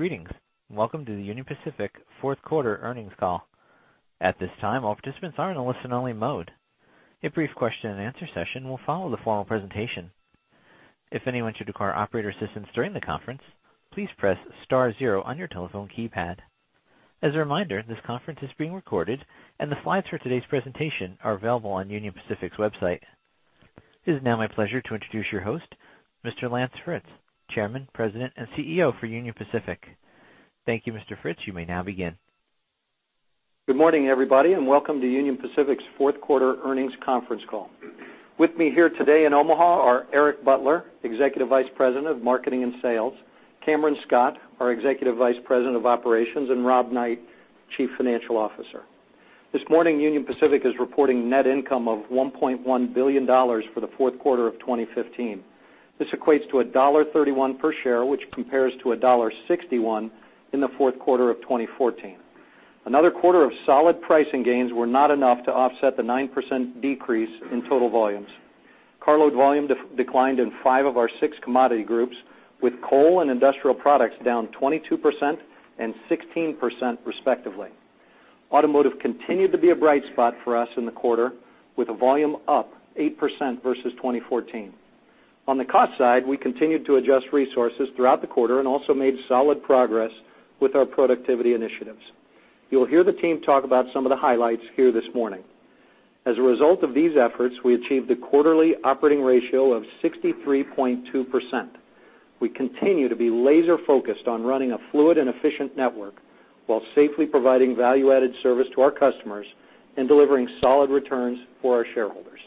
Greetings, and welcome to the Union Pacific fourth quarter earnings call. At this time, all participants are in a listen-only mode. A brief question-and-answer session will follow the formal presentation. If anyone should require operator assistance during the conference, please press star zero on your telephone keypad. As a reminder, this conference is being recorded, and the slides for today's presentation are available on Union Pacific's website. It is now my pleasure to introduce your host, Mr. Lance Fritz, Chairman, President, and CEO for Union Pacific. Thank you, Mr. Fritz. You may now begin. Good morning, everybody, and welcome to Union Pacific's fourth quarter earnings conference call. With me here today in Omaha are Eric Butler, Executive Vice President of Marketing and Sales, Cameron Scott, our Executive Vice President of Operations, and Rob Knight, Chief Financial Officer. This morning, Union Pacific is reporting net income of $1.1 billion for the fourth quarter of 2015. This equates to $1.31 per share, which compares to $1.61 in the fourth quarter of 2014. Another quarter of solid pricing gains were not enough to offset the 9% decrease in total volumes. Carload volume declined in five of our six commodity groups, with coal and industrial products down 22% and 16% respectively. Automotive continued to be a bright spot for us in the quarter, with volume up 8% versus 2014. On the cost side, we continued to adjust resources throughout the quarter and also made solid progress with our productivity initiatives. You'll hear the team talk about some of the highlights here this morning. As a result of these efforts, we achieved a quarterly operating ratio of 63.2%. We continue to be laser-focused on running a fluid and efficient network while safely providing value-added service to our customers and delivering solid returns for our shareholders.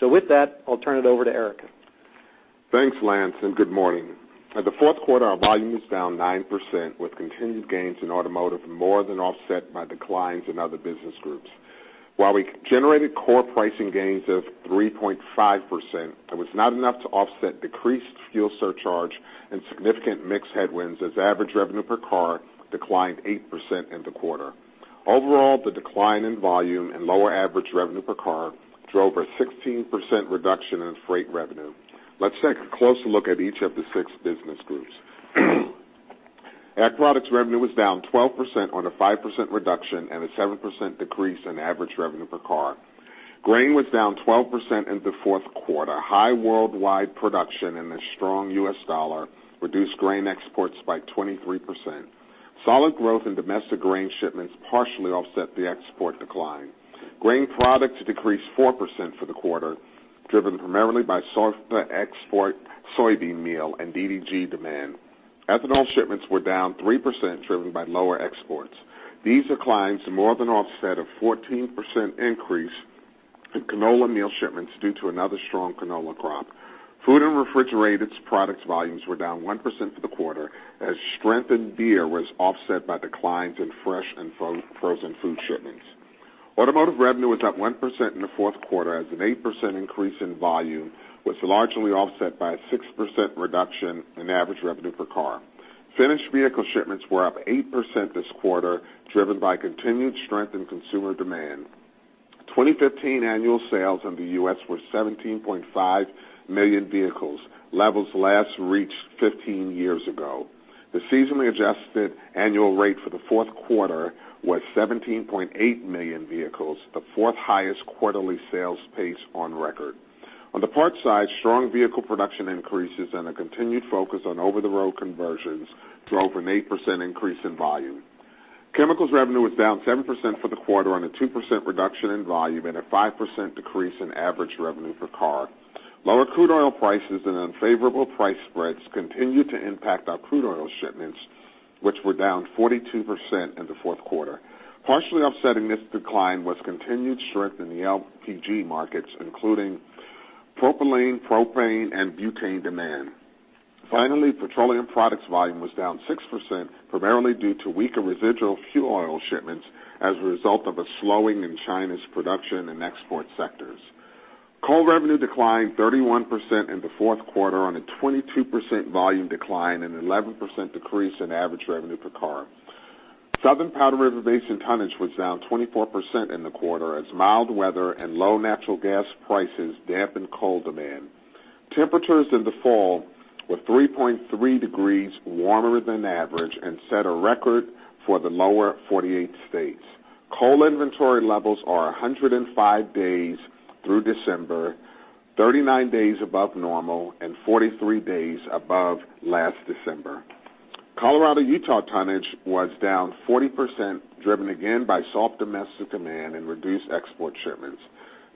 With that, I'll turn it over to Eric. Thanks, Lance, and good morning. In the fourth quarter, our volume was down 9%, with continued gains in automotive more than offset by declines in other business groups. While we generated core pricing gains of 3.5%, it was not enough to offset decreased fuel surcharge and significant mix headwinds as average revenue per car declined 8% in the quarter. Overall, the decline in volume and lower average revenue per car drove a 16% reduction in freight revenue. Let's take a closer look at each of the six business groups. Ag products revenue was down 12% on a 5% reduction and a 7% decrease in average revenue per car. Grain was down 12% in the fourth quarter. High worldwide production and a strong U.S. dollar reduced grain exports by 23%. Solid growth in domestic grain shipments partially offset the export decline. Grain products decreased 4% for the quarter, driven primarily by softer export soybean meal and DDG demand. Ethanol shipments were down 3%, driven by lower exports. These declines more than offset a 14% increase in canola meal shipments due to another strong canola crop. Food and refrigerated products volumes were down 1% for the quarter as strengthened beer was offset by declines in fresh and frozen food shipments. Automotive revenue was up 1% in the fourth quarter as an 8% increase in volume was largely offset by a 6% reduction in average revenue per car. Finished vehicle shipments were up 8% this quarter, driven by continued strength in consumer demand. 2015 annual sales in the U.S. were 17.5 million vehicles, levels last reached 15 years ago. The seasonally adjusted annual rate for the fourth quarter was 17.8 million vehicles, the fourth highest quarterly sales pace on record. On the parts side, strong vehicle production increases and a continued focus on over-the-road conversions drove an 8% increase in volume. Chemicals revenue was down 7% for the quarter on a 2% reduction in volume and a 5% decrease in average revenue per car. Lower crude oil prices and unfavorable price spreads continued to impact our crude oil shipments, which were down 42% in the fourth quarter. Partially offsetting this decline was continued strength in the LPG markets, including propylene, propane, and butane demand. Finally, petroleum products volume was down 6%, primarily due to weaker residual fuel oil shipments as a result of a slowing in China's production and export sectors. Coal revenue declined 31% in the fourth quarter on a 22% volume decline and 11% decrease in average revenue per car. Southern Powder River Basin tonnage was down 24% in the quarter as mild weather and low natural gas prices dampened coal demand. Temperatures in the fall were 3.3 degrees warmer than average and set a record for the lower 48 states. Coal inventory levels are 105 days through December, 39 days above normal, and 43 days above last December. Colorado-Utah tonnage was down 40%, driven again by soft domestic demand and reduced export shipments.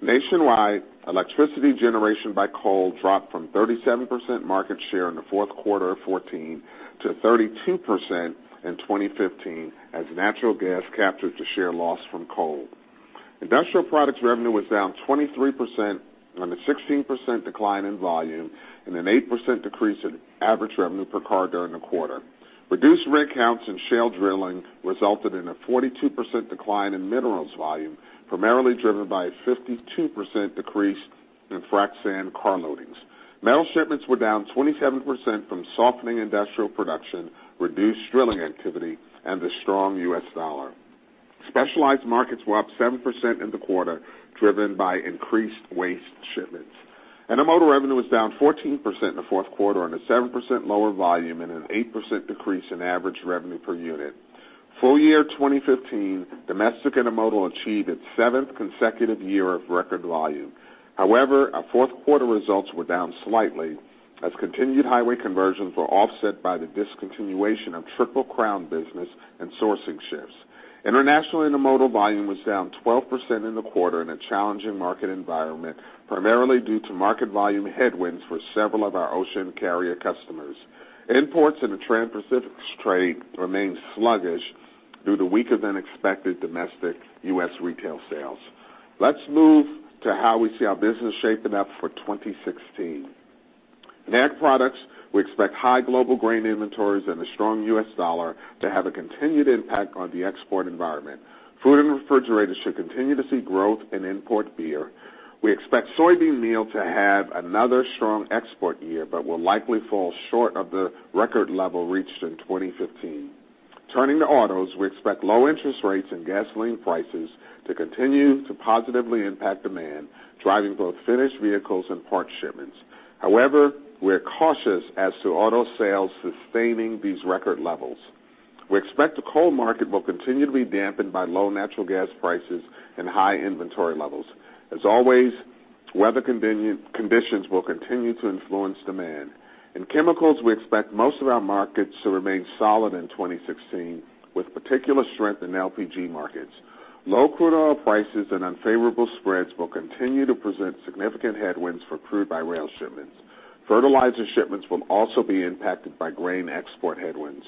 Nationwide, electricity generation by coal dropped from 37% market share in the fourth quarter of 2014 to 32% in 2015 as natural gas captured the share loss from coal. Industrial products revenue was down 23% on a 16% decline in volume and an 8% decrease in average revenue per car during the quarter. Reduced rig counts and shale drilling resulted in a 42% decline in minerals volume, primarily driven by a 52% decrease in frac sand car loadings. Metal shipments were down 27% from softening industrial production, reduced drilling activity, and the strong U.S. dollar. Specialized markets were up 7% in the quarter, driven by increased waste shipments. Intermodal revenue was down 14% in the fourth quarter on a 7% lower volume and an 8% decrease in average revenue per unit. Full year 2015, domestic intermodal achieved its seventh consecutive year of record volume. However, our fourth quarter results were down slightly as continued highway conversions were offset by the discontinuation of Triple Crown business and sourcing shifts. International intermodal volume was down 12% in the quarter in a challenging market environment, primarily due to market volume headwinds for several of our ocean carrier customers. Imports in the Transpacific trade remained sluggish due to weaker than expected domestic U.S. retail sales. Let's move to how we see our business shaping up for 2016. In ag products, we expect high global grain inventories and a strong U.S. dollar to have a continued impact on the export environment. Food and refrigerated should continue to see growth in import beer. We expect soybean meal to have another strong export year, but will likely fall short of the record level reached in 2015. Turning to autos, we expect low interest rates and gasoline prices to continue to positively impact demand, driving both finished vehicles and parts shipments. However, we're cautious as to auto sales sustaining these record levels. We expect the coal market will continue to be dampened by low natural gas prices and high inventory levels. As always, weather conditions will continue to influence demand. In chemicals, we expect most of our markets to remain solid in 2016, with particular strength in LPG markets. Low crude oil prices and unfavorable spreads will continue to present significant headwinds for crude by rail shipments. Fertilizer shipments will also be impacted by grain export headwinds.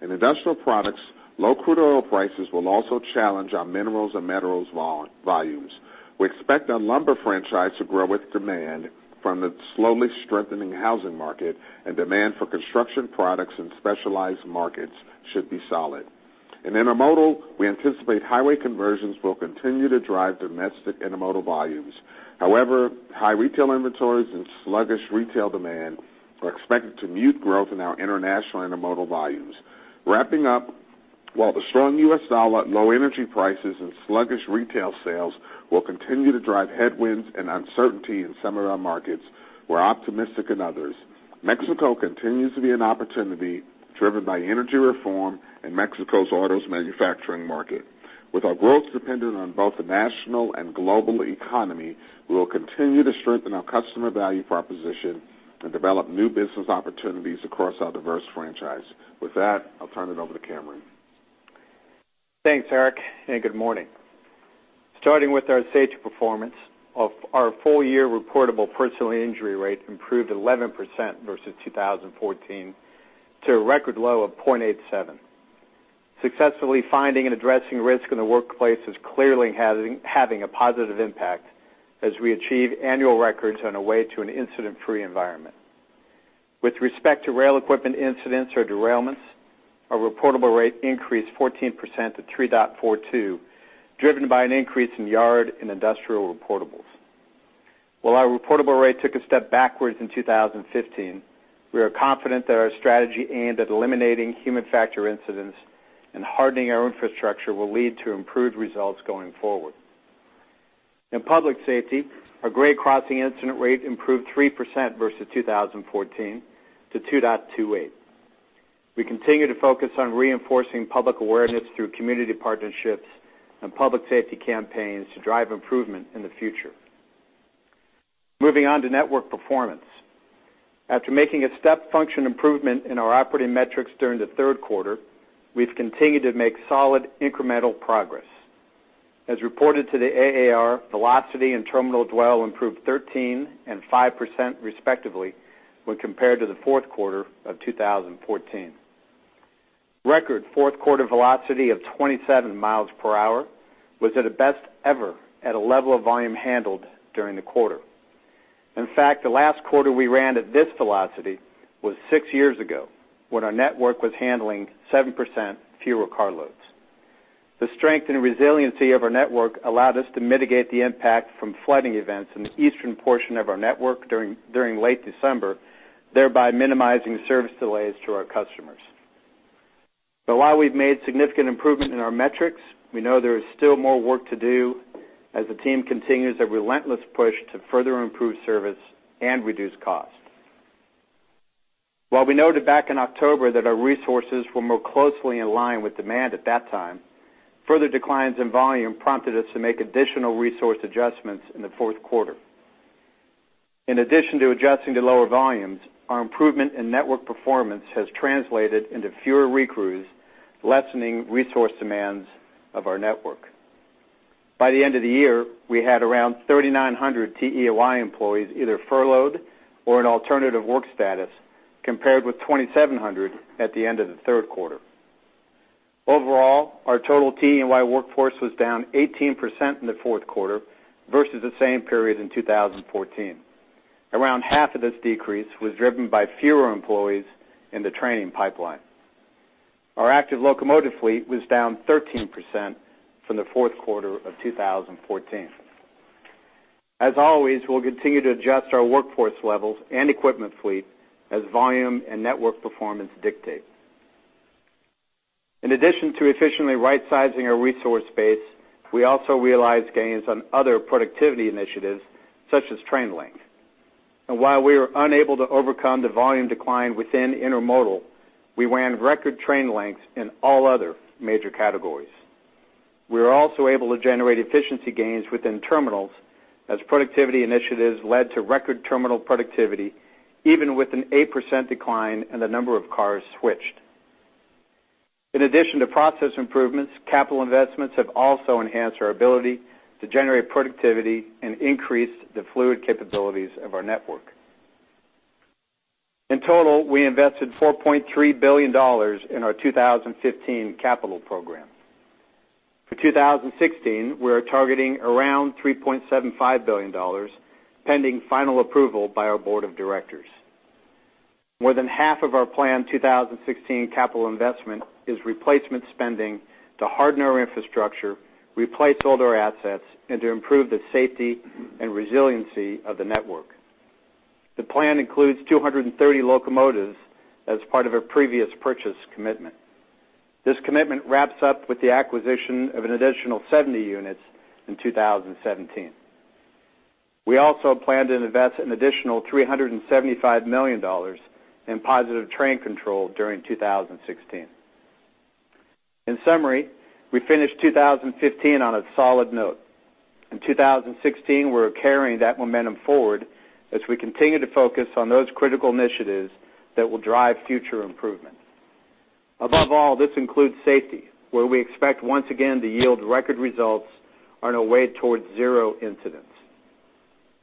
In industrial products, low crude oil prices will also challenge our minerals and metals volumes. We expect our lumber franchise to grow with demand from the slowly strengthening housing market, and demand for construction products and specialized markets should be solid. In intermodal, we anticipate highway conversions will continue to drive domestic intermodal volumes. However, high retail inventories and sluggish retail demand are expected to mute growth in our international intermodal volumes. Wrapping up, while the strong U.S. dollar, low energy prices, and sluggish retail sales will continue to drive headwinds and uncertainty in some of our markets, we're optimistic in others. Mexico continues to be an opportunity driven by energy reform and Mexico's autos manufacturing market. With our growth dependent on both the national and global economy, we will continue to strengthen our customer value proposition and develop new business opportunities across our diverse franchise. With that, I'll turn it over to Cameron. Thanks, Eric, and good morning. Starting with our safety performance. Our full-year reportable personal injury rate improved 11% versus 2014 to a record low of 0.87. Successfully finding and addressing risk in the workplace is clearly having a positive impact as we achieve annual records on our way to an incident-free environment. With respect to rail equipment incidents or derailments, our reportable rate increased 14% to 3.42, driven by an increase in yard and industrial reportables. While our reportable rate took a step backwards in 2015, we are confident that our strategy aimed at eliminating human factor incidents and hardening our infrastructure will lead to improved results going forward. In public safety, our grade crossing incident rate improved 3% versus 2014 to 2.28. We continue to focus on reinforcing public awareness through community partnerships and public safety campaigns to drive improvement in the future. Moving on to network performance. After making a step function improvement in our operating metrics during the third quarter, we've continued to make solid incremental progress. As reported to the AAR, velocity and terminal dwell improved 13% and 5% respectively when compared to the fourth quarter of 2014. Record fourth quarter velocity of 27 miles per hour was at a best ever at a level of volume handled during the quarter. In fact, the last quarter we ran at this velocity was six years ago, when our network was handling 7% fewer car loads. The strength and resiliency of our network allowed us to mitigate the impact from flooding events in the eastern portion of our network during late December, thereby minimizing service delays to our customers. While we've made significant improvement in our metrics, we know there is still more work to do as the team continues a relentless push to further improve service and reduce costs. While we noted back in October that our resources were more closely in line with demand at that time, further declines in volume prompted us to make additional resource adjustments in the fourth quarter. In addition to adjusting to lower volumes, our improvement in network performance has translated into fewer recrews, lessening resource demands of our network. By the end of the year, we had around 3,900 TEY employees either furloughed or in alternative work status, compared with 2,700 at the end of the third quarter. Overall, our total TEY workforce was down 18% in the fourth quarter versus the same period in 2014. Around half of this decrease was driven by fewer employees in the training pipeline. Our active locomotive fleet was down 13% from the fourth quarter of 2014. As always, we'll continue to adjust our workforce levels and equipment fleet as volume and network performance dictate. In addition to efficiently rightsizing our resource base, we also realized gains on other productivity initiatives, such as train length. While we were unable to overcome the volume decline within intermodal, we ran record train lengths in all other major categories. We were also able to generate efficiency gains within terminals as productivity initiatives led to record terminal productivity, even with an 8% decline in the number of cars switched. In addition to process improvements, capital investments have also enhanced our ability to generate productivity and increase the fluid capabilities of our network. In total, we invested $4.3 billion in our 2015 capital program. For 2016, we are targeting around $3.75 billion, pending final approval by our board of directors. More than half of our planned 2016 capital investment is replacement spending to harden our infrastructure, replace older assets, and to improve the safety and resiliency of the network. The plan includes 230 locomotives as part of a previous purchase commitment. This commitment wraps up with the acquisition of an additional 70 units in 2017. We also plan to invest an additional $375 million in Positive Train Control during 2016. In summary, we finished 2015 on a solid note. In 2016, we're carrying that momentum forward as we continue to focus on those critical initiatives that will drive future improvement. Above all, this includes safety, where we expect once again to yield record results on our way towards zero incidents.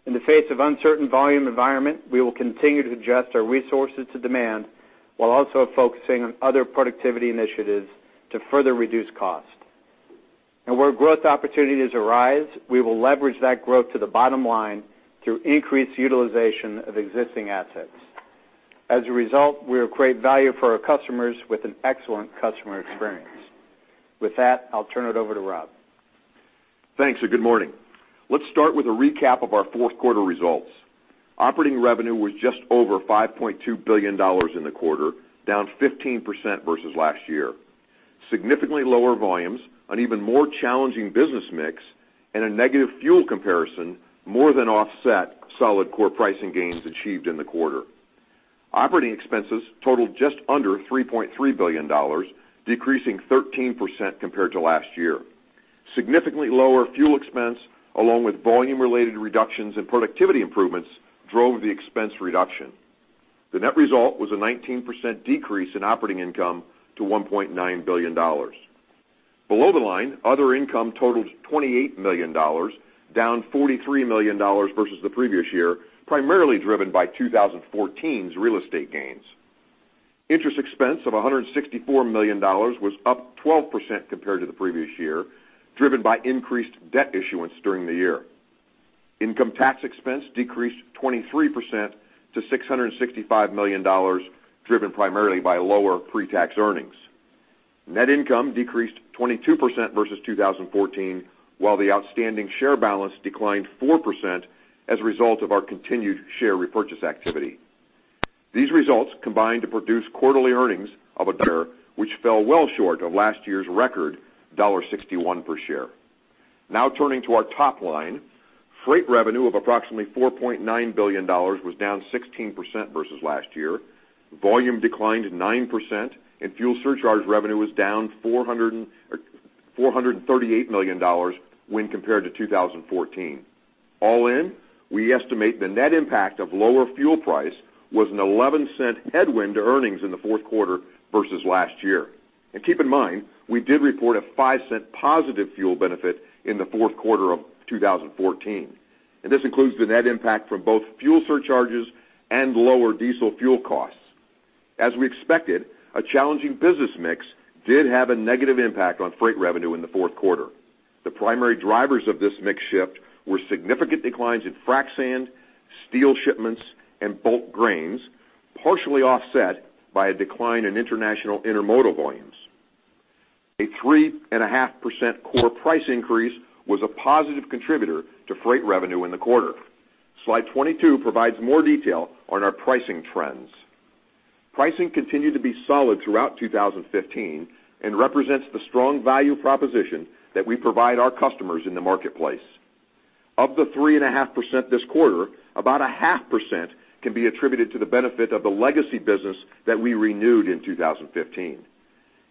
In the face of uncertain volume environment, we will continue to adjust our resources to demand while also focusing on other productivity initiatives to further reduce cost. Where growth opportunities arise, we will leverage that growth to the bottom line through increased utilization of existing assets. As a result, we will create value for our customers with an excellent customer experience. With that, I'll turn it over to Rob. Thanks, and good morning. Let's start with a recap of our fourth quarter results. Operating revenue was just over $5.2 billion in the quarter, down 15% versus last year. Significantly lower volumes, an even more challenging business mix, and a negative fuel comparison more than offset solid core pricing gains achieved in the quarter. Operating expenses totaled just under $3.3 billion, decreasing 13% compared to last year. Significantly lower fuel expense, along with volume-related reductions and productivity improvements, drove the expense reduction. The net result was a 19% decrease in operating income to $1.9 billion. Below the line, other income totaled $28 million, down $43 million versus the previous year, primarily driven by 2014's real estate gains. Interest expense of $164 million was up 12% compared to the previous year, driven by increased debt issuance during the year. Income tax expense decreased 23% to $665 million, driven primarily by lower pre-tax earnings. Net income decreased 22% versus 2014, while the outstanding share balance declined 4% as a result of our continued share repurchase activity. These results combined to produce quarterly earnings of $1 a share, which fell well short of last year's record, $1.61 per share. Now turning to our top line. Freight revenue of approximately $4.9 billion was down 16% versus last year. Volume declined 9%. Fuel surcharges revenue was down $438 million when compared to 2014. All in, we estimate the net impact of lower fuel price was a $0.11 headwind to earnings in the fourth quarter versus last year. Keep in mind, we did report a $0.05 positive fuel benefit in the fourth quarter of 2014. This includes the net impact from both fuel surcharges and lower diesel fuel costs. As we expected, a challenging business mix did have a negative impact on freight revenue in the fourth quarter. The primary drivers of this mix shift were significant declines in frac sand, steel shipments, and bulk grains, partially offset by a decline in international intermodal volumes. A 3.5% core price increase was a positive contributor to freight revenue in the quarter. Slide 22 provides more detail on our pricing trends. Pricing continued to be solid throughout 2015 and represents the strong value proposition that we provide our customers in the marketplace. Of the 3.5% this quarter, about 0.5% can be attributed to the benefit of the legacy business that we renewed in 2015.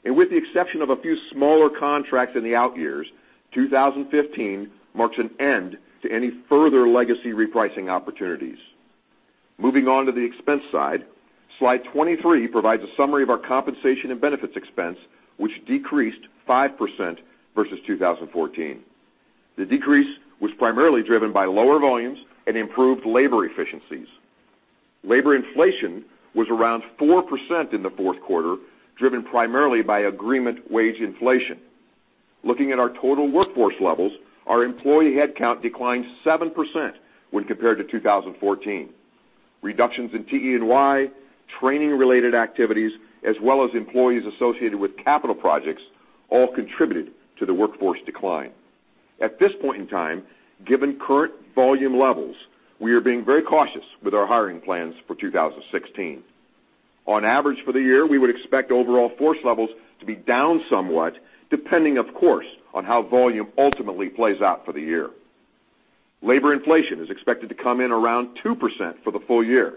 With the exception of a few smaller contracts in the out years, 2015 marks an end to any further legacy repricing opportunities. Moving on to the expense side, slide 23 provides a summary of our compensation and benefits expense, which decreased 5% versus 2014. The decrease was primarily driven by lower volumes and improved labor efficiencies. Labor inflation was around 4% in the fourth quarter, driven primarily by agreement wage inflation. Looking at our total workforce levels, our employee headcount declined 7% when compared to 2014. Reductions in TE&Y, training-related activities, as well as employees associated with capital projects, all contributed to the workforce decline. At this point in time, given current volume levels, we are being very cautious with our hiring plans for 2016. On average for the year, we would expect overall force levels to be down somewhat, depending, of course, on how volume ultimately plays out for the year. Labor inflation is expected to come in around 2% for the full year.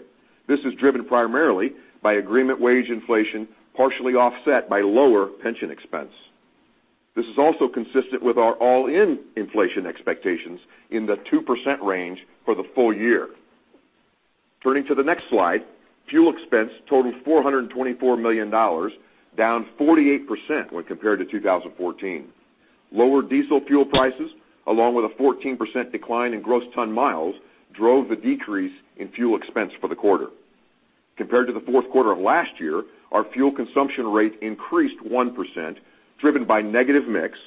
This is driven primarily by agreement wage inflation, partially offset by lower pension expense. This is also consistent with our all-in inflation expectations in the 2% range for the full year. Turning to the next slide, fuel expense totaled $424 million, down 48% when compared to 2014. Lower diesel fuel prices, along with a 14% decline in gross ton miles, drove the decrease in fuel expense for the quarter. Compared to the fourth quarter of last year, our fuel consumption rate increased 1%, driven by negative mix,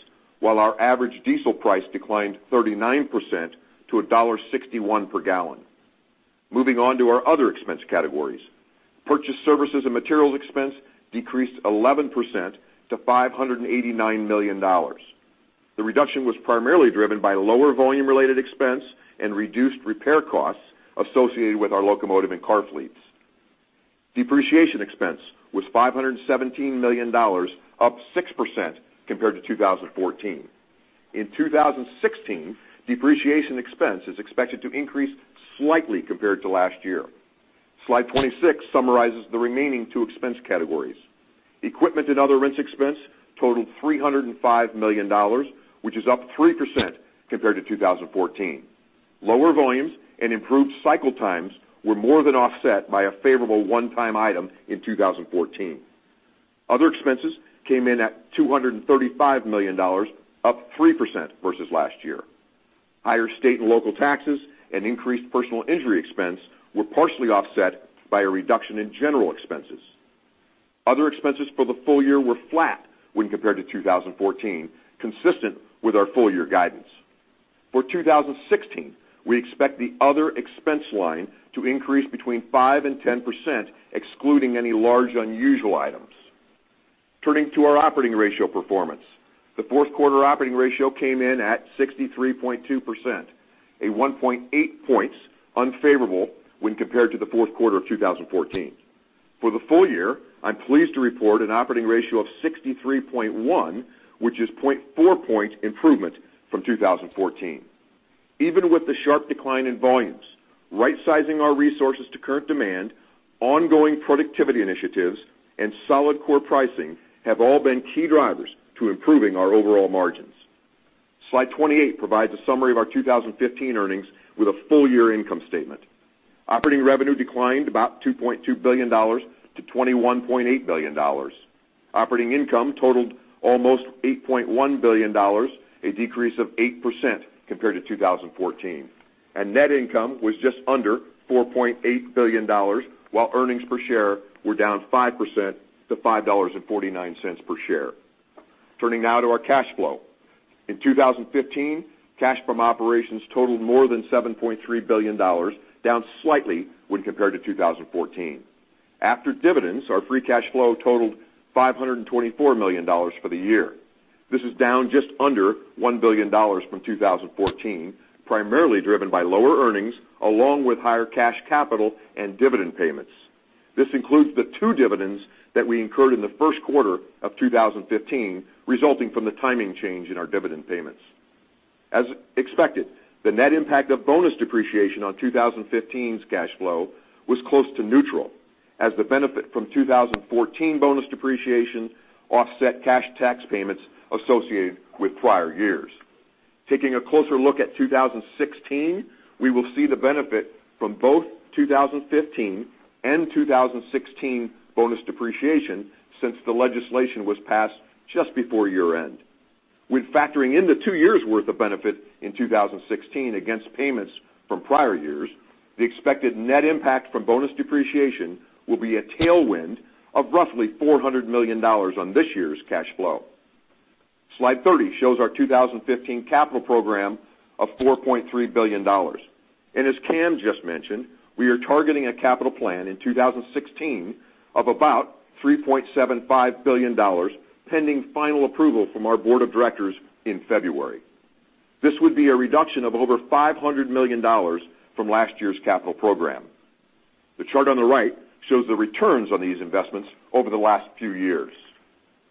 while our average diesel price declined 39% to $1.61 per gallon. Moving on to our other expense categories. Purchase services and materials expense decreased 11% to $589 million. The reduction was primarily driven by lower volume-related expense and reduced repair costs associated with our locomotive and car fleets. Depreciation expense was $517 million, up 6% compared to 2014. In 2016, depreciation expense is expected to increase slightly compared to last year. Slide 26 summarizes the remaining two expense categories. Equipment and other rents expense totaled $305 million, which is up 3% compared to 2014. Lower volumes and improved cycle times were more than offset by a favorable one-time item in 2014. Other expenses came in at $235 million, up 3% versus last year. Higher state and local taxes and increased personal injury expense were partially offset by a reduction in general expenses. Other expenses for the full year were flat when compared to 2014, consistent with our full-year guidance. For 2016, we expect the other expense line to increase between 5% and 10%, excluding any large, unusual items. Turning to our operating ratio performance. The fourth quarter operating ratio came in at 63.2%, a 1.8 points unfavorable when compared to the fourth quarter of 2014. For the full year, I'm pleased to report an operating ratio of 63.1, which is 0.4 point improvement from 2014. Even with the sharp decline in volumes, rightsizing our resources to current demand, ongoing productivity initiatives, and solid core pricing have all been key drivers to improving our overall margins. Slide 28 provides a summary of our 2015 earnings with a full-year income statement. Operating revenue declined about $2.2 billion to $21.8 billion. Operating income totaled almost $8.1 billion, a decrease of 8% compared to 2014. Net income was just under $4.8 billion, while earnings per share were down 5% to $5.49 per share. Turning now to our cash flow. In 2015, cash from operations totaled more than $7.3 billion, down slightly when compared to 2014. After dividends, our free cash flow totaled $524 million for the year. This is down just under $1 billion from 2014, primarily driven by lower earnings, along with higher cash capital and dividend payments. This includes the two dividends that we incurred in the first quarter of 2015, resulting from the timing change in our dividend payments. As expected, the net impact of bonus depreciation on 2015's cash flow was close to neutral, as the benefit from 2014 bonus depreciation offset cash tax payments associated with prior years. Taking a closer look at 2016, we will see the benefit from both 2015 and 2016 bonus depreciation since the legislation was passed just before year-end. With factoring in the two years' worth of benefit in 2016 against payments from prior years, the expected net impact from bonus depreciation will be a tailwind of roughly $400 million on this year's cash flow. Slide 30 shows our 2015 capital program of $4.3 billion. As Cam just mentioned, we are targeting a capital plan in 2016 of about $3.75 billion, pending final approval from our board of directors in February. This would be a reduction of over $500 million from last year's capital program. The chart on the right shows the returns on these investments over the last few years.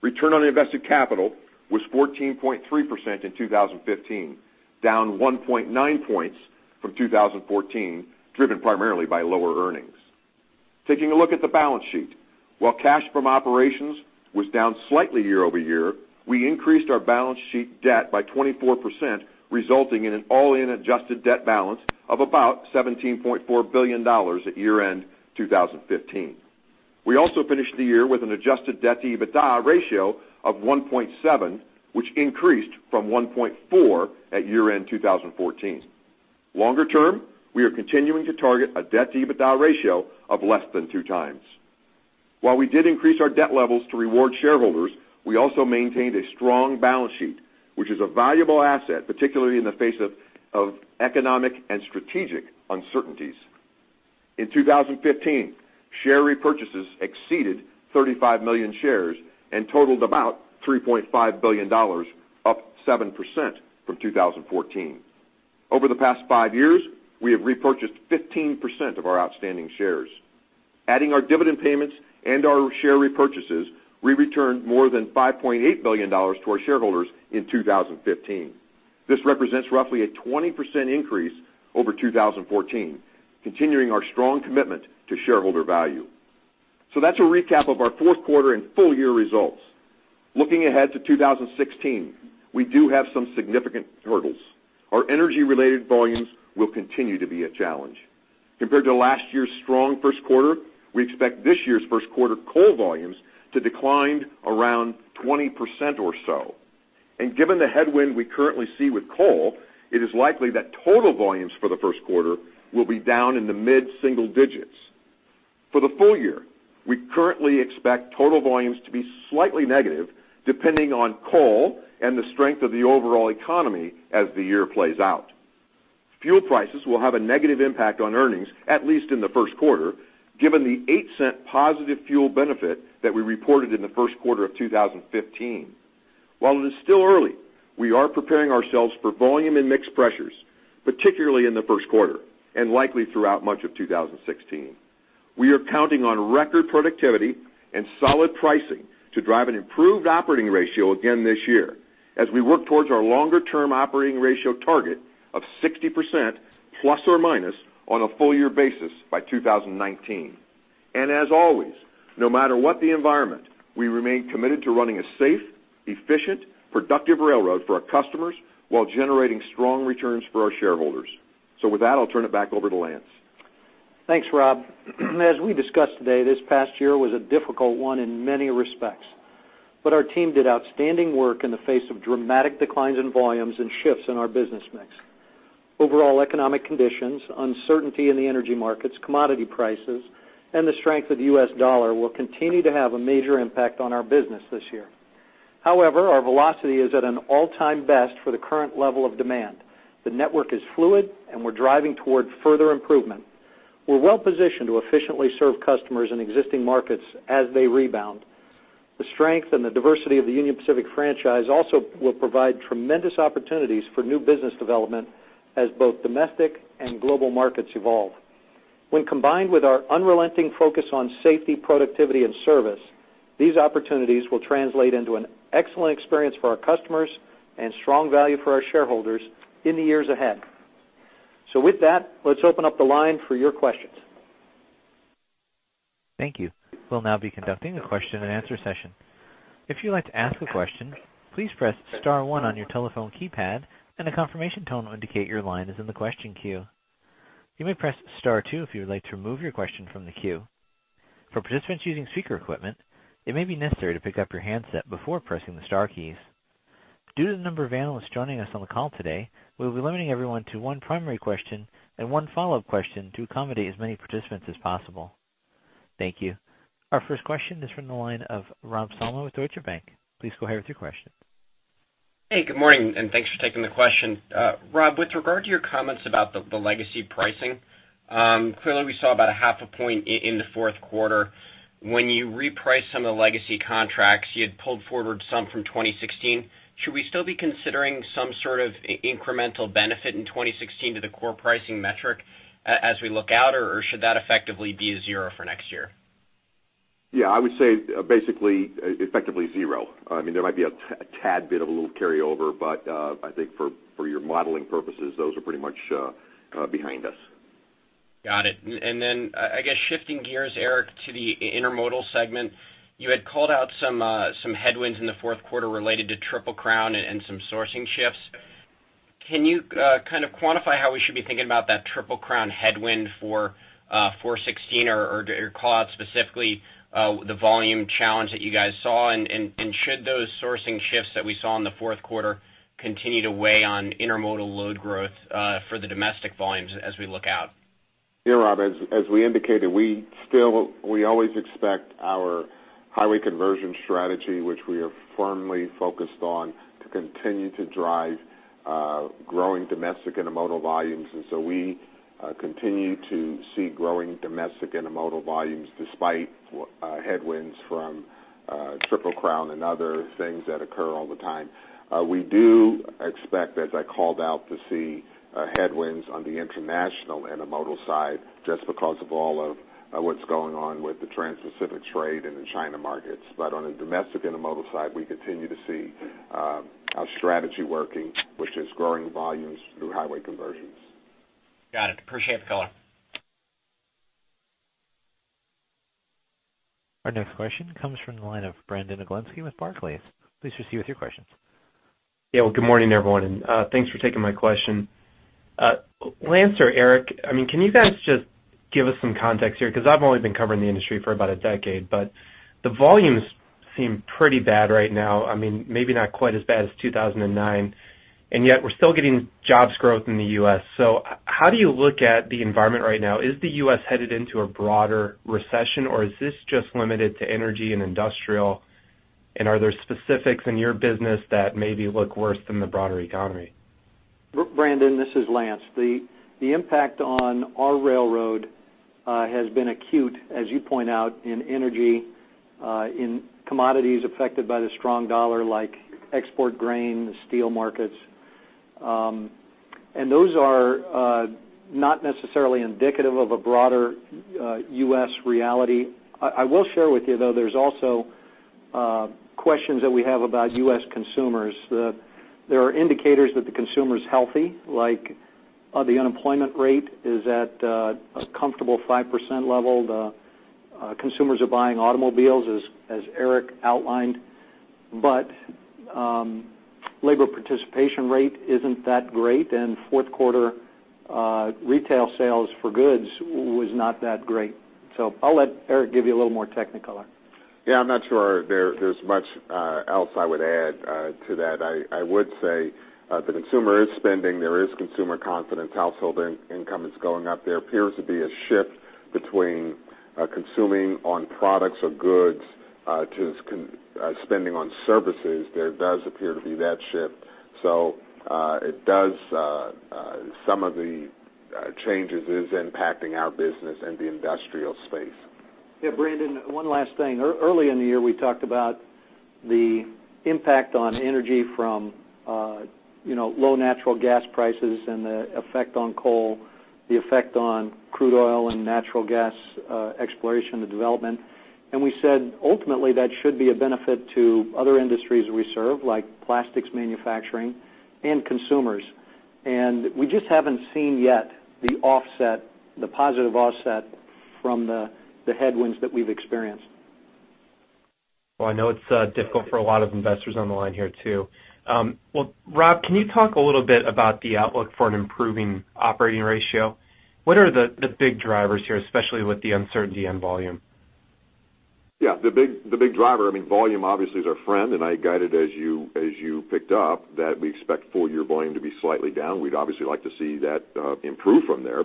Return on invested capital was 14.3% in 2015, down 1.9 points from 2014, driven primarily by lower earnings. Taking a look at the balance sheet. While cash from operations was down slightly year-over-year, we increased our balance sheet debt by 24%, resulting in an all-in adjusted debt balance of about $17.4 billion at year-end 2015. We also finished the year with an adjusted debt-to-EBITDA ratio of 1.7, which increased from 1.4 at year-end 2014. Longer term, we are continuing to target a debt-to-EBITDA ratio of less than two times. While we did increase our debt levels to reward shareholders, we also maintained a strong balance sheet, which is a valuable asset, particularly in the face of economic and strategic uncertainties. In 2015, share repurchases exceeded 35 million shares and totaled about $3.5 billion, up 7% from 2014. Over the past five years, we have repurchased 15% of our outstanding shares. Adding our dividend payments and our share repurchases, we returned more than $5.8 billion to our shareholders in 2015. This represents roughly a 20% increase over 2014, continuing our strong commitment to shareholder value. That's a recap of our fourth quarter and full year results. Looking ahead to 2016, we do have some significant hurdles. Our energy-related volumes will continue to be a challenge. Compared to last year's strong first quarter, we expect this year's first quarter coal volumes to decline around 20% or so. Given the headwind we currently see with coal, it is likely that total volumes for the first quarter will be down in the mid-single digits. For the full year, we currently expect total volumes to be slightly negative, depending on coal and the strength of the overall economy as the year plays out. Fuel prices will have a negative impact on earnings, at least in the first quarter, given the $0.08 positive fuel benefit that we reported in the first quarter of 2015. While it is still early, we are preparing ourselves for volume and mix pressures, particularly in the first quarter and likely throughout much of 2016. We are counting on record productivity and solid pricing to drive an improved operating ratio again this year, as we work towards our longer-term operating ratio target of 60% ± on a full year basis by 2019. As always, no matter what the environment, we remain committed to running a safe, efficient, productive railroad for our customers while generating strong returns for our shareholders. With that, I'll turn it back over to Lance. Thanks, Rob. As we discussed today, this past year was a difficult one in many respects. Our team did outstanding work in the face of dramatic declines in volumes and shifts in our business mix. Overall economic conditions, uncertainty in the energy markets, commodity prices, and the strength of the US dollar will continue to have a major impact on our business this year. However, our velocity is at an all-time best for the current level of demand. The network is fluid, and we're driving toward further improvement. We're well-positioned to efficiently serve customers in existing markets as they rebound. The strength and the diversity of the Union Pacific franchise also will provide tremendous opportunities for new business development as both domestic and global markets evolve. When combined with our unrelenting focus on safety, productivity, and service, these opportunities will translate into an excellent experience for our customers and strong value for our shareholders in the years ahead. With that, let's open up the line for your questions. Thank you. We'll now be conducting a question and answer session. If you'd like to ask a question, please press star 1 on your telephone keypad, and a confirmation tone will indicate your line is in the question queue. You may press star 2 if you would like to remove your question from the queue. For participants using speaker equipment, it may be necessary to pick up your handset before pressing the star keys. Due to the number of analysts joining us on the call today, we will be limiting everyone to one primary question and one follow-up question to accommodate as many participants as possible. Thank you. Our first question is from the line of Rob Salmon with Deutsche Bank. Please go ahead with your question. Hey, good morning, and thanks for taking the question. Rob Knight, with regard to your comments about the legacy pricing, clearly we saw about a half a point in the fourth quarter. When you repriced some of the legacy contracts, you had pulled forward some from 2016. Should we still be considering some sort of incremental benefit in 2016 to the core pricing metric as we look out, or should that effectively be a zero for next year? Yeah, I would say basically effectively zero. There might be a tad bit of a little carryover, I think for your modeling purposes, those are pretty much behind us. Got it. I guess shifting gears, Eric Butler, to the intermodal segment, you had called out some headwinds in the fourth quarter related to Triple Crown and some sourcing shifts. Can you kind of quantify how we should be thinking about that Triple Crown headwind for 2016 or call out specifically the volume challenge that you guys saw, should those sourcing shifts that we saw in the fourth quarter continue to weigh on intermodal load growth for the domestic volumes as we look out? Yeah, Rob Knight, as we indicated, we always expect our highway conversion strategy, which we are firmly focused on, to continue to drive growing domestic intermodal volumes. We continue to see growing domestic intermodal volumes despite headwinds from Triple Crown and other things that occur all the time. We do expect, as I called out, to see headwinds on the international intermodal side just because of all of what's going on with the Trans-Pacific trade and the China markets. On a domestic intermodal side, we continue to see our strategy working, which is growing volumes through highway conversions. Got it. Appreciate the color. Our next question comes from the line of Brandon Oglenski with Barclays. Please proceed with your questions. Well, good morning, everyone, thanks for taking my question. Lance or Eric, can you guys just give us some context here? I've only been covering the industry for about a decade, but the volume- seem pretty bad right now. Maybe not quite as bad as 2009, yet we're still getting jobs growth in the U.S. How do you look at the environment right now? Is the U.S. headed into a broader recession, or is this just limited to energy and industrial? Are there specifics in your business that maybe look worse than the broader economy? Brandon, this is Lance. The impact on our railroad has been acute, as you point out, in energy, in commodities affected by the strong dollar, like export grain, the steel markets. Those are not necessarily indicative of a broader U.S. reality. I will share with you, though, there's also questions that we have about U.S. consumers. There are indicators that the consumer's healthy, like the unemployment rate is at a comfortable 5% level. The consumers are buying automobiles, as Eric outlined. Labor participation rate isn't that great, fourth quarter retail sales for goods was not that great. I'll let Eric give you a little more technicolor. Yeah, I'm not sure there's much else I would add to that. I would say the consumer is spending. There is consumer confidence. Household income is going up. There appears to be a shift between consuming on products or goods to spending on services. There does appear to be that shift. Some of the changes is impacting our business and the industrial space. Yeah, Brandon, one last thing. Early in the year, we talked about the impact on energy from low natural gas prices and the effect on coal, the effect on crude oil and natural gas exploration and development. We said, ultimately, that should be a benefit to other industries we serve, like plastics manufacturing and consumers. We just haven't seen yet the positive offset from the headwinds that we've experienced. Well, I know it's difficult for a lot of investors on the line here, too. Well, Rob, can you talk a little bit about the outlook for an improving operating ratio? What are the big drivers here, especially with the uncertainty on volume? Yeah, the big driver, volume obviously is our friend. I guided, as you picked up, that we expect full year volume to be slightly down. We'd obviously like to see that improve from there.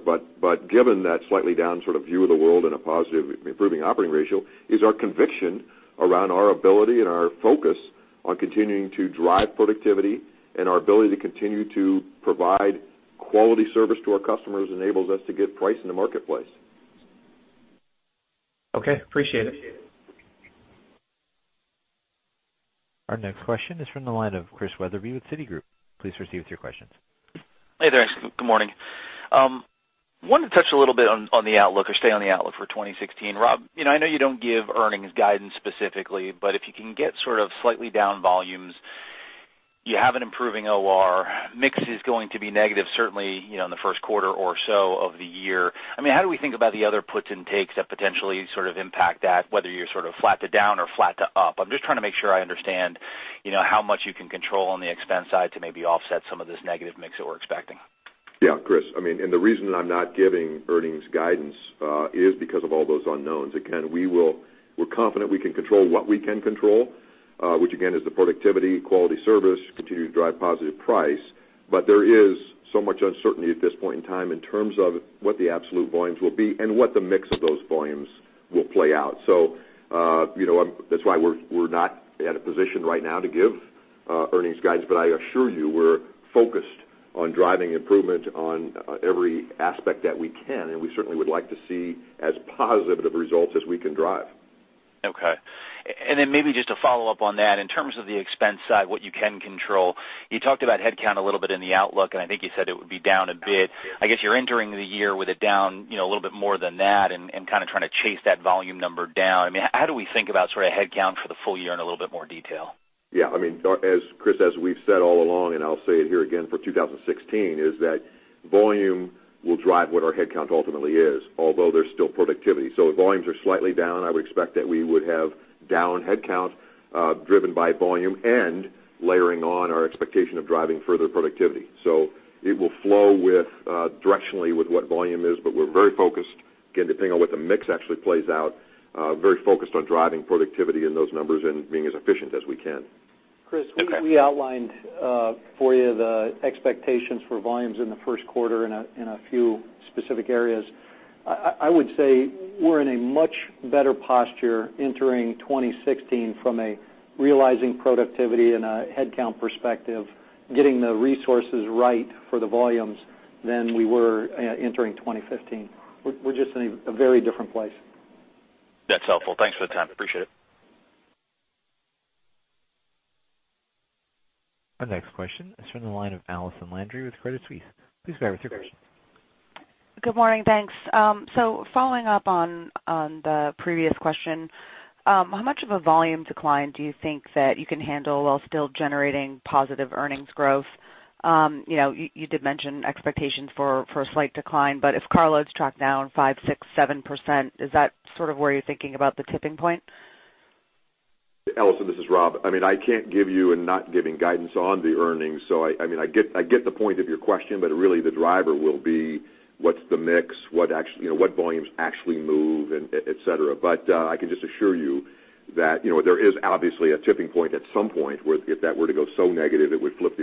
Given that slightly down sort of view of the world and a positive improving operating ratio is our conviction around our ability and our focus on continuing to drive productivity and our ability to continue to provide quality service to our customers enables us to get price in the marketplace. Okay. Appreciate it. Our next question is from the line of Chris Wetherbee with Citigroup. Please proceed with your questions. Hey there. Good morning. Wanted to touch a little bit on the outlook or stay on the outlook for 2016. Rob, I know you don't give earnings guidance specifically, but if you can get sort of slightly down volumes, you have an improving OR, mix is going to be negative certainly in the first quarter or so of the year. How do we think about the other puts and takes that potentially sort of impact that, whether you're sort of flat to down or flat to up? I'm just trying to make sure I understand how much you can control on the expense side to maybe offset some of this negative mix that we're expecting. Yeah, Chris. The reason that I'm not giving earnings guidance is because of all those unknowns. Again, we're confident we can control what we can control, which again, is the productivity, quality service, continue to drive positive price. There is so much uncertainty at this point in time in terms of what the absolute volumes will be and what the mix of those volumes will play out. That's why we're not at a position right now to give earnings guidance, but I assure you, we're focused on driving improvement on every aspect that we can, and we certainly would like to see as positive of results as we can drive. Okay. Maybe just to follow up on that, in terms of the expense side, what you can control, you talked about headcount a little bit in the outlook, and I think you said it would be down a bit. I guess you're entering the year with it down a little bit more than that and kind of trying to chase that volume number down. How do we think about sort of headcount for the full year in a little bit more detail? Yeah. Chris, as we've said all along, I'll say it here again for 2016, is that volume will drive what our headcount ultimately is, although there's still productivity. If volumes are slightly down, I would expect that we would have down headcount, driven by volume and layering on our expectation of driving further productivity. It will flow directionally with what volume is, but we're very focused, again, depending on what the mix actually plays out, very focused on driving productivity in those numbers and being as efficient as we can. Okay. Chris, we outlined for you the expectations for volumes in the first quarter in a few specific areas. I would say we're in a much better posture entering 2016 from a realizing productivity and a headcount perspective, getting the resources right for the volumes than we were entering 2015. We're just in a very different place. That's helpful. Thanks for the time. Appreciate it. Our next question is from the line of Allison Landry with Credit Suisse. Please go ahead with your question. Good morning. Thanks. Following up on the previous question, how much of a volume decline do you think that you can handle while still generating positive earnings growth? You did mention expectations for a slight decline, but if car loads track down 5%, 6%, 7%, is that sort of where you're thinking about the tipping point? This is Rob. I'm not giving guidance on the earnings. I get the point of your question, but really the driver will be what's the mix, what volumes actually move, et cetera. I can just assure you that there is obviously a tipping point at some point where if that were to go so negative, it would flip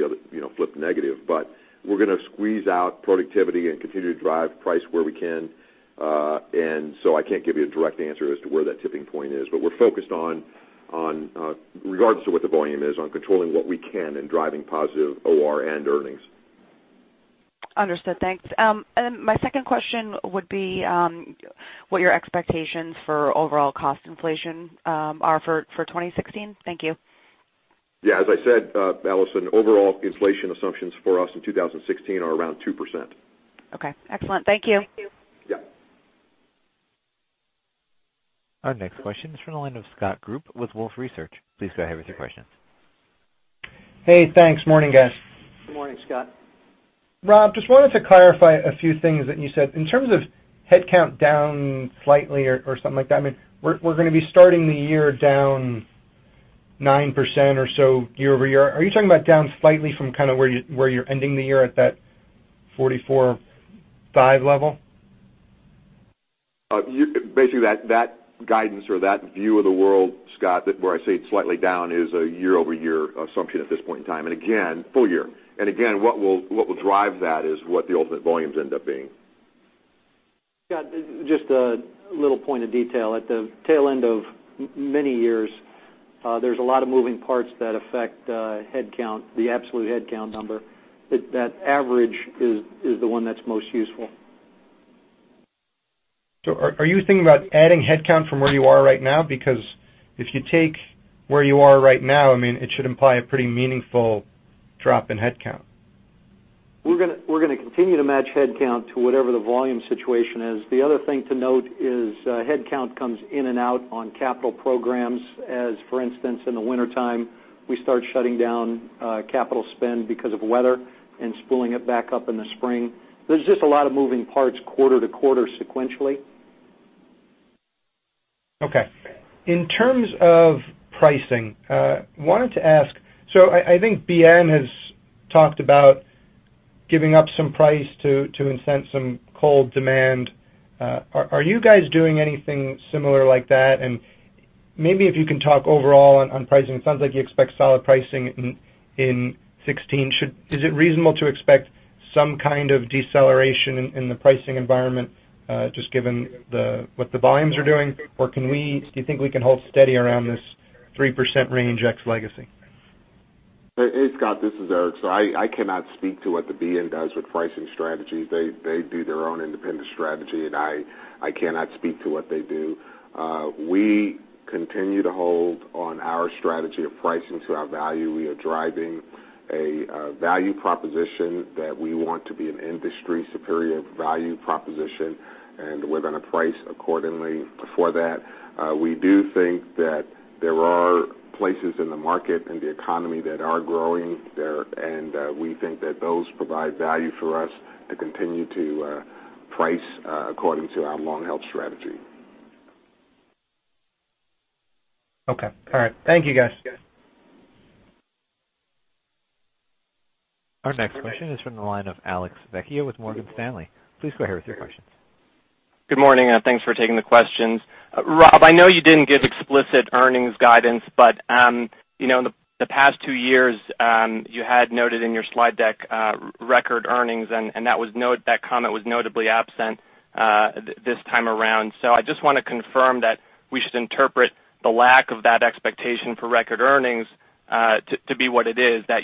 negative. We're going to squeeze out productivity and continue to drive price where we can. I can't give you a direct answer as to where that tipping point is, but we're focused on, regardless of what the volume is, on controlling what we can and driving positive OR and earnings. Understood. Thanks. My second question would be, what your expectations for overall cost inflation are for 2016? Thank you. Yeah. As I said, Allison, overall inflation assumptions for us in 2016 are around 2%. Okay. Excellent. Thank you. Yeah. Our next question is from the line of Scott Group with Wolfe Research. Please go ahead with your questions. Hey, thanks. Morning, guys. Good morning, Scott. Rob, just wanted to clarify a few things that you said. In terms of headcount down slightly or something like that, we're going to be starting the year down 9% or so year-over-year. Are you talking about down slightly from where you're ending the year at that 44.5 level? Basically that guidance or that view of the world, Scott, where I say it's slightly down, is a year-over-year assumption at this point in time. Again, full year. Again, what will drive that is what the ultimate volumes end up being. Scott, just a little point of detail. At the tail end of many years, there's a lot of moving parts that affect headcount, the absolute headcount number. That average is the one that's most useful. Are you thinking about adding headcount from where you are right now? Because if you take where you are right now, it should imply a pretty meaningful drop in headcount. We're going to continue to match headcount to whatever the volume situation is. The other thing to note is headcount comes in and out on capital programs. As, for instance, in the wintertime, we start shutting down capital spend because of weather and spooling it back up in the spring. There's just a lot of moving parts quarter to quarter sequentially. Okay. In terms of pricing, wanted to ask, I think BNSF has talked about giving up some price to incent some coal demand. Are you guys doing anything similar like that? And maybe if you can talk overall on pricing. It sounds like you expect solid pricing in 2016. Is it reasonable to expect some kind of deceleration in the pricing environment, just given what the volumes are doing? Or do you think we can hold steady around this 3% range ex legacy? Hey, Scott, this is Eric. I cannot speak to what the BNSF does with pricing strategies. They do their own independent strategy, and I cannot speak to what they do. We continue to hold on our strategy of pricing to our value. We are driving a value proposition that we want to be an industry superior value proposition, and we're going to price accordingly for that. We do think that there are places in the market and the economy that are growing, and we think that those provide value for us to continue to price according to our long-held strategy. Okay. All right. Thank you, guys. Our next question is from the line of Alex Vecchio with Morgan Stanley. Please go ahead with your questions. Good morning. Thanks for taking the questions. Rob, I know you didn't give explicit earnings guidance, but the past two years, you had noted in your slide deck record earnings, and that comment was notably absent this time around. I just want to confirm that we should interpret the lack of that expectation for record earnings to be what it is, that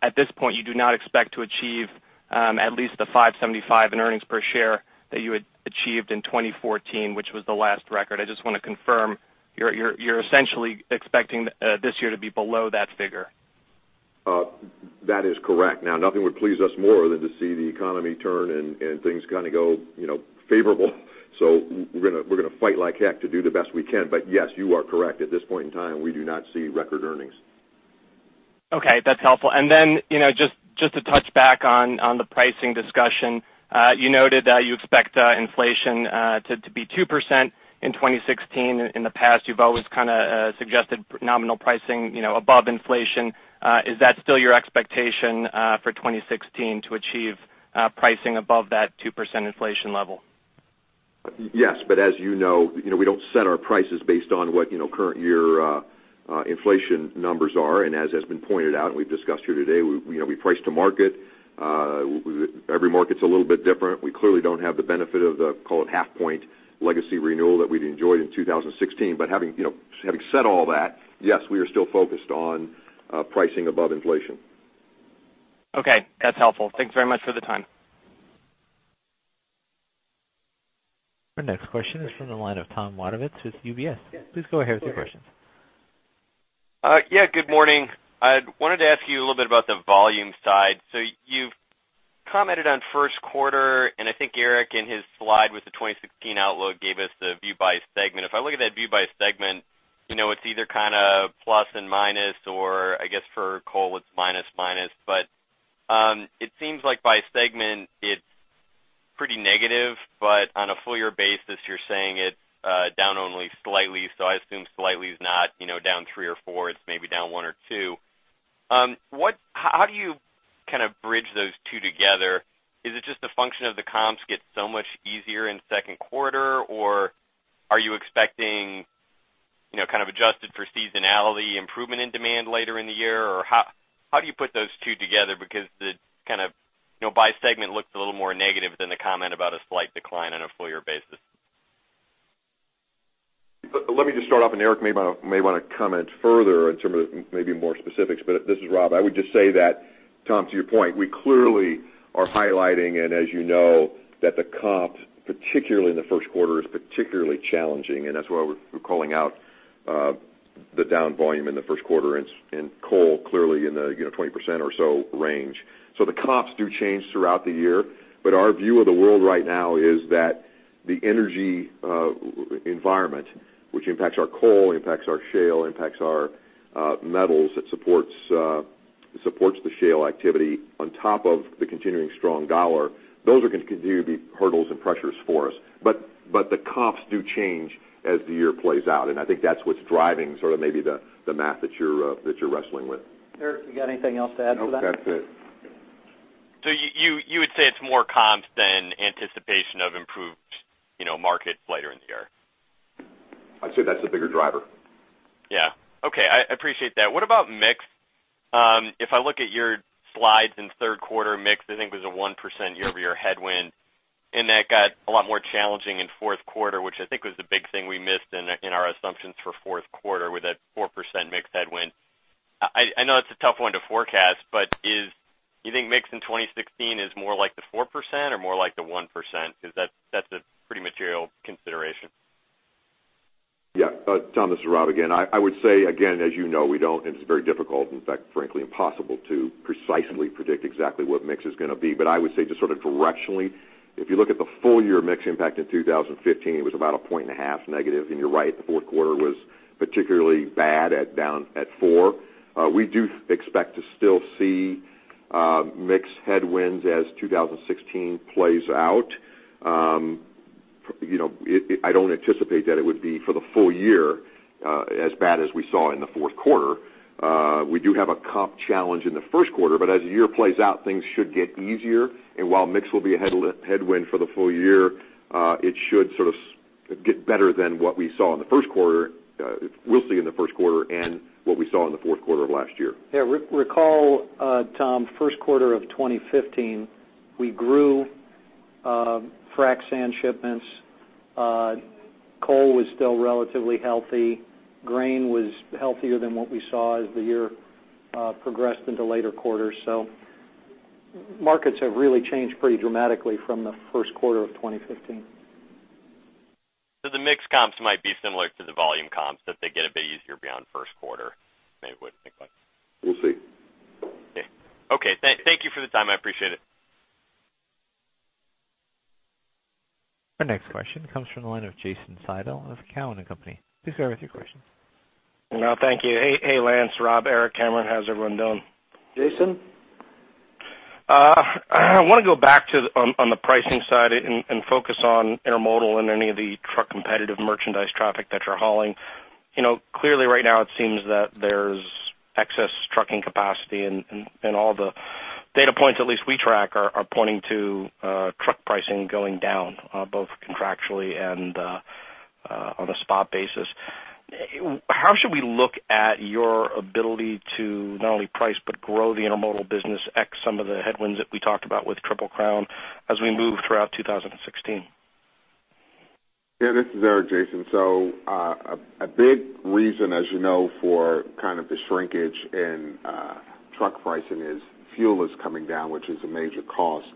at this point you do not expect to achieve at least the $5.75 in earnings per share that you had achieved in 2014, which was the last record. I just want to confirm you're essentially expecting this year to be below that figure. That is correct. Nothing would please us more than to see the economy turn and things kind of go favorable. We're going to fight like heck to do the best we can. Yes, you are correct. At this point in time, we do not see record earnings. Okay, that's helpful. Just to touch back on the pricing discussion, you noted that you expect inflation to be 2% in 2016. In the past, you've always kind of suggested nominal pricing above inflation. Is that still your expectation for 2016 to achieve pricing above that 2% inflation level? Yes, as you know, we don't set our prices based on what current year inflation numbers are. As has been pointed out, and we've discussed here today, we price to market. Every market's a little bit different. We clearly don't have the benefit of the, call it, half point legacy renewal that we'd enjoyed in 2016. Having said all that, yes, we are still focused on pricing above inflation. Okay, that's helpful. Thanks very much for the time. Our next question is from the line of Tom Wadewitz with UBS. Please go ahead with your questions. Good morning. I wanted to ask you a little bit about the volume side. You've commented on first quarter, and I think Eric in his slide with the 2016 outlook gave us the view by segment. If I look at that view by segment, it's either kind of plus and minus or I guess for coal it's minus. It seems like by segment it pretty negative, but on a full year basis, you're saying it's down only slightly. I assume slightly is not down three or four, it's maybe down one or two. How do you bridge those two together? Is it just a function of the comps get so much easier in second quarter? Are you expecting, kind of adjusted for seasonality, improvement in demand later in the year? How do you put those two together? By segment looks a little more negative than the comment about a slight decline on a full year basis. Let me just start off, Eric may want to comment further in terms of maybe more specifics, but this is Rob. I would just say that, Tom, to your point, we clearly are highlighting, and as you know, that the comps, particularly in the first quarter, is particularly challenging, and that's why we're calling out the down volume in the first quarter in coal, clearly in the 20% or so range. The comps do change throughout the year, but our view of the world right now is that the energy environment, which impacts our coal, impacts our shale, impacts our metals, it supports the shale activity on top of the continuing strong dollar. Those are going to continue to be hurdles and pressures for us. The comps do change as the year plays out, and I think that's what's driving sort of maybe the math that you're wrestling with. Eric, you got anything else to add to that? Nope, that's it. You would say it's more comps than anticipation of improved market later in the year? I'd say that's the bigger driver. Yeah. Okay. I appreciate that. What about mix? If I look at your slides in Q3, mix, I think, was a 1% year-over-year headwind, and that got a lot more challenging in Q4, which I think was the big thing we missed in our assumptions for Q4 with that 4% mix headwind. I know it's a tough one to forecast, but do you think mix in 2016 is more like the 4% or more like the 1%? Because that's a pretty material consideration. Tom, this is Rob again. I would say, again, as you know, we don't, and it's very difficult, in fact, frankly, impossible to precisely predict exactly what mix is going to be. I would say just sort of directionally, if you look at the full year mix impact in 2015, it was about a point and a half negative, and you're right, the fourth quarter was particularly bad at down at four. We do expect to still see mix headwinds as 2016 plays out. I don't anticipate that it would be for the full year as bad as we saw in the fourth quarter. We do have a comp challenge in the first quarter, as the year plays out, things should get easier. While mix will be a headwind for the full year, it should sort of get better than what we saw in the first quarter, and what we saw in the fourth quarter of last year. Recall, Tom, first quarter of 2015, we grew frac sand shipments. Coal was still relatively healthy. Grain was healthier than what we saw as the year progressed into later quarters. Markets have really changed pretty dramatically from the first quarter of 2015. The mix comps might be similar to the volume comps, that they get a bit easier beyond first quarter, maybe what to think about. We'll see. Okay. Thank you for the time, I appreciate it. Our next question comes from the line of Jason Seidl of Cowen and Company. Please go ahead with your question. Thank you. Hey, Lance, Rob, Eric, Cameron. How's everyone doing? Jason? I want to go back on the pricing side and focus on intermodal and any of the truck competitive merchandise traffic that you're hauling. Clearly right now it seems that there's excess trucking capacity and all the data points at least we track are pointing to truck pricing going down, both contractually and on a spot basis. How should we look at your ability to not only price but grow the intermodal business, X some of the headwinds that we talked about with Triple Crown as we move throughout 2016? Yeah, this is Eric, Jason. A big reason, as you know, for kind of the shrinkage in truck pricing is fuel is coming down, which is a major cost.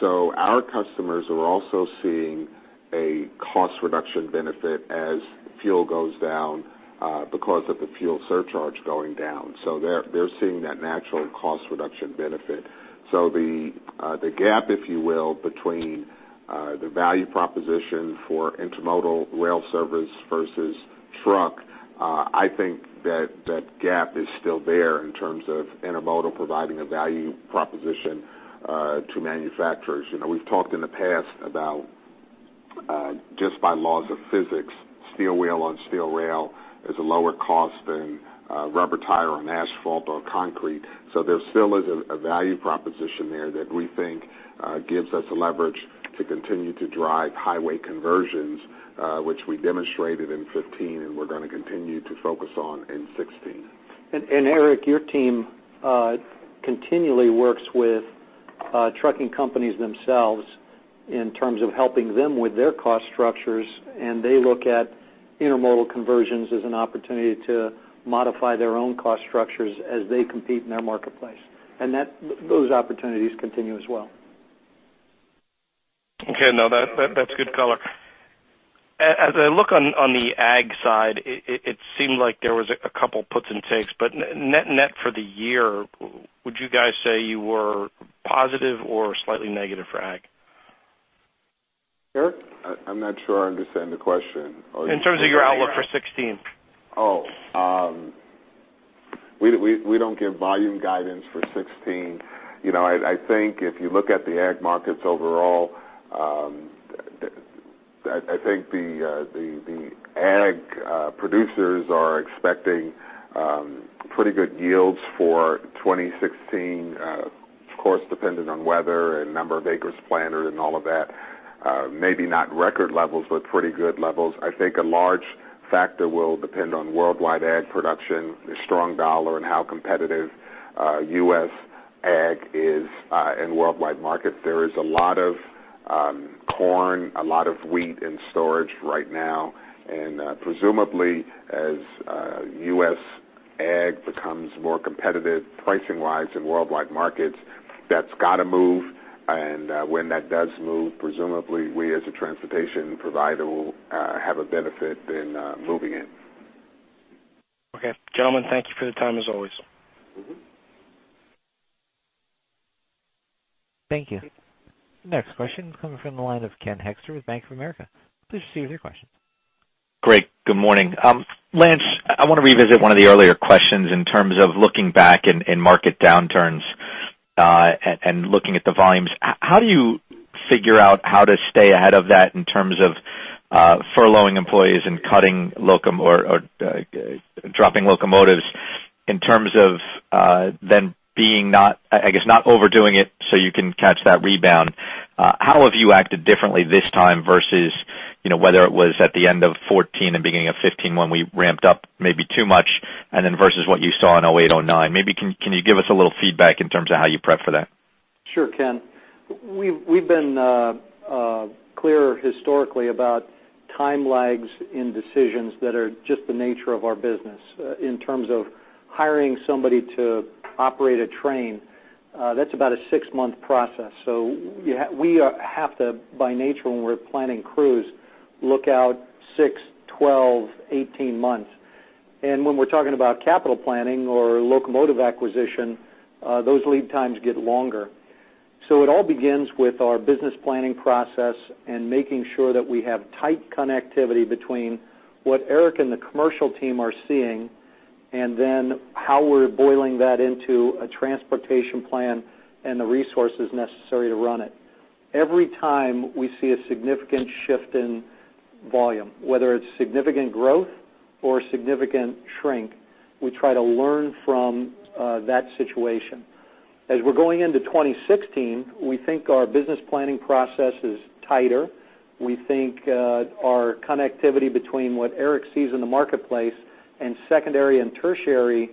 Our customers are also seeing a cost reduction benefit as fuel goes down because of the fuel surcharge going down. They're seeing that natural cost reduction benefit. The gap, if you will, between the value proposition for intermodal rail service versus truck, I think that that gap is still there in terms of intermodal providing a value proposition to manufacturers. We've talked in the past about just by laws of physics, steel wheel on steel rail is a lower cost than a rubber tire on asphalt or concrete. There still is a value proposition there that we think gives us a leverage to continue to drive highway conversions, which we demonstrated in 2015, and we're going to continue to focus on in 2016. Eric, your team continually works with trucking companies themselves in terms of helping them with their cost structures, and they look at intermodal conversions as an opportunity to modify their own cost structures as they compete in their marketplace. Those opportunities continue as well. Okay. No, that's good color. As I look on the ag side, it seemed like there was a couple puts and takes, but net for the year, would you guys say you were positive or slightly negative for ag? Eric? I'm not sure I understand the question. In terms of your outlook for 2016. Oh. We don't give volume guidance for 2016. I think if you look at the ag markets overall, I think the ag producers are expecting pretty good yields for 2016, of course, dependent on weather and number of acres planted and all of that. Maybe not record levels, but pretty good levels. I think a large factor will depend on worldwide ag production, the strong dollar, and how competitive U.S. ag is in worldwide markets. There is a lot of corn, a lot of wheat in storage right now, and presumably, as U.S. ag becomes more competitive pricing-wise in worldwide markets, that's got to move. When that does move, presumably, we, as a transportation provider, will have a benefit in moving it. Okay. Gentlemen, thank you for the time as always. Thank you. Next question coming from the line of Ken Hoexter with Bank of America. Please proceed with your question. Great. Good morning. Lance, I want to revisit one of the earlier questions in terms of looking back in market downturns, and looking at the volumes. How do you figure out how to stay ahead of that in terms of furloughing employees and dropping locomotives, in terms of then, I guess, not overdoing it so you can catch that rebound? How have you acted differently this time versus whether it was at the end of 2014 and beginning of 2015, when we ramped up maybe too much, and then versus what you saw in 2008, 2009? Maybe can you give us a little feedback in terms of how you prep for that? Sure, Ken. We've been clear historically about time lags in decisions that are just the nature of our business. In terms of hiring somebody to operate a train, that's about a 6-month process. We have to, by nature, when we're planning crews, look out six, 12, 18 months. When we're talking about capital planning or locomotive acquisition, those lead times get longer. It all begins with our business planning process and making sure that we have tight connectivity between what Eric and the commercial team are seeing, and then how we're boiling that into a transportation plan and the resources necessary to run it. Every time we see a significant shift in volume, whether it's significant growth or a significant shrink, we try to learn from that situation. As we're going into 2016, we think our business planning process is tighter. We think our connectivity between what Eric sees in the marketplace and secondary and tertiary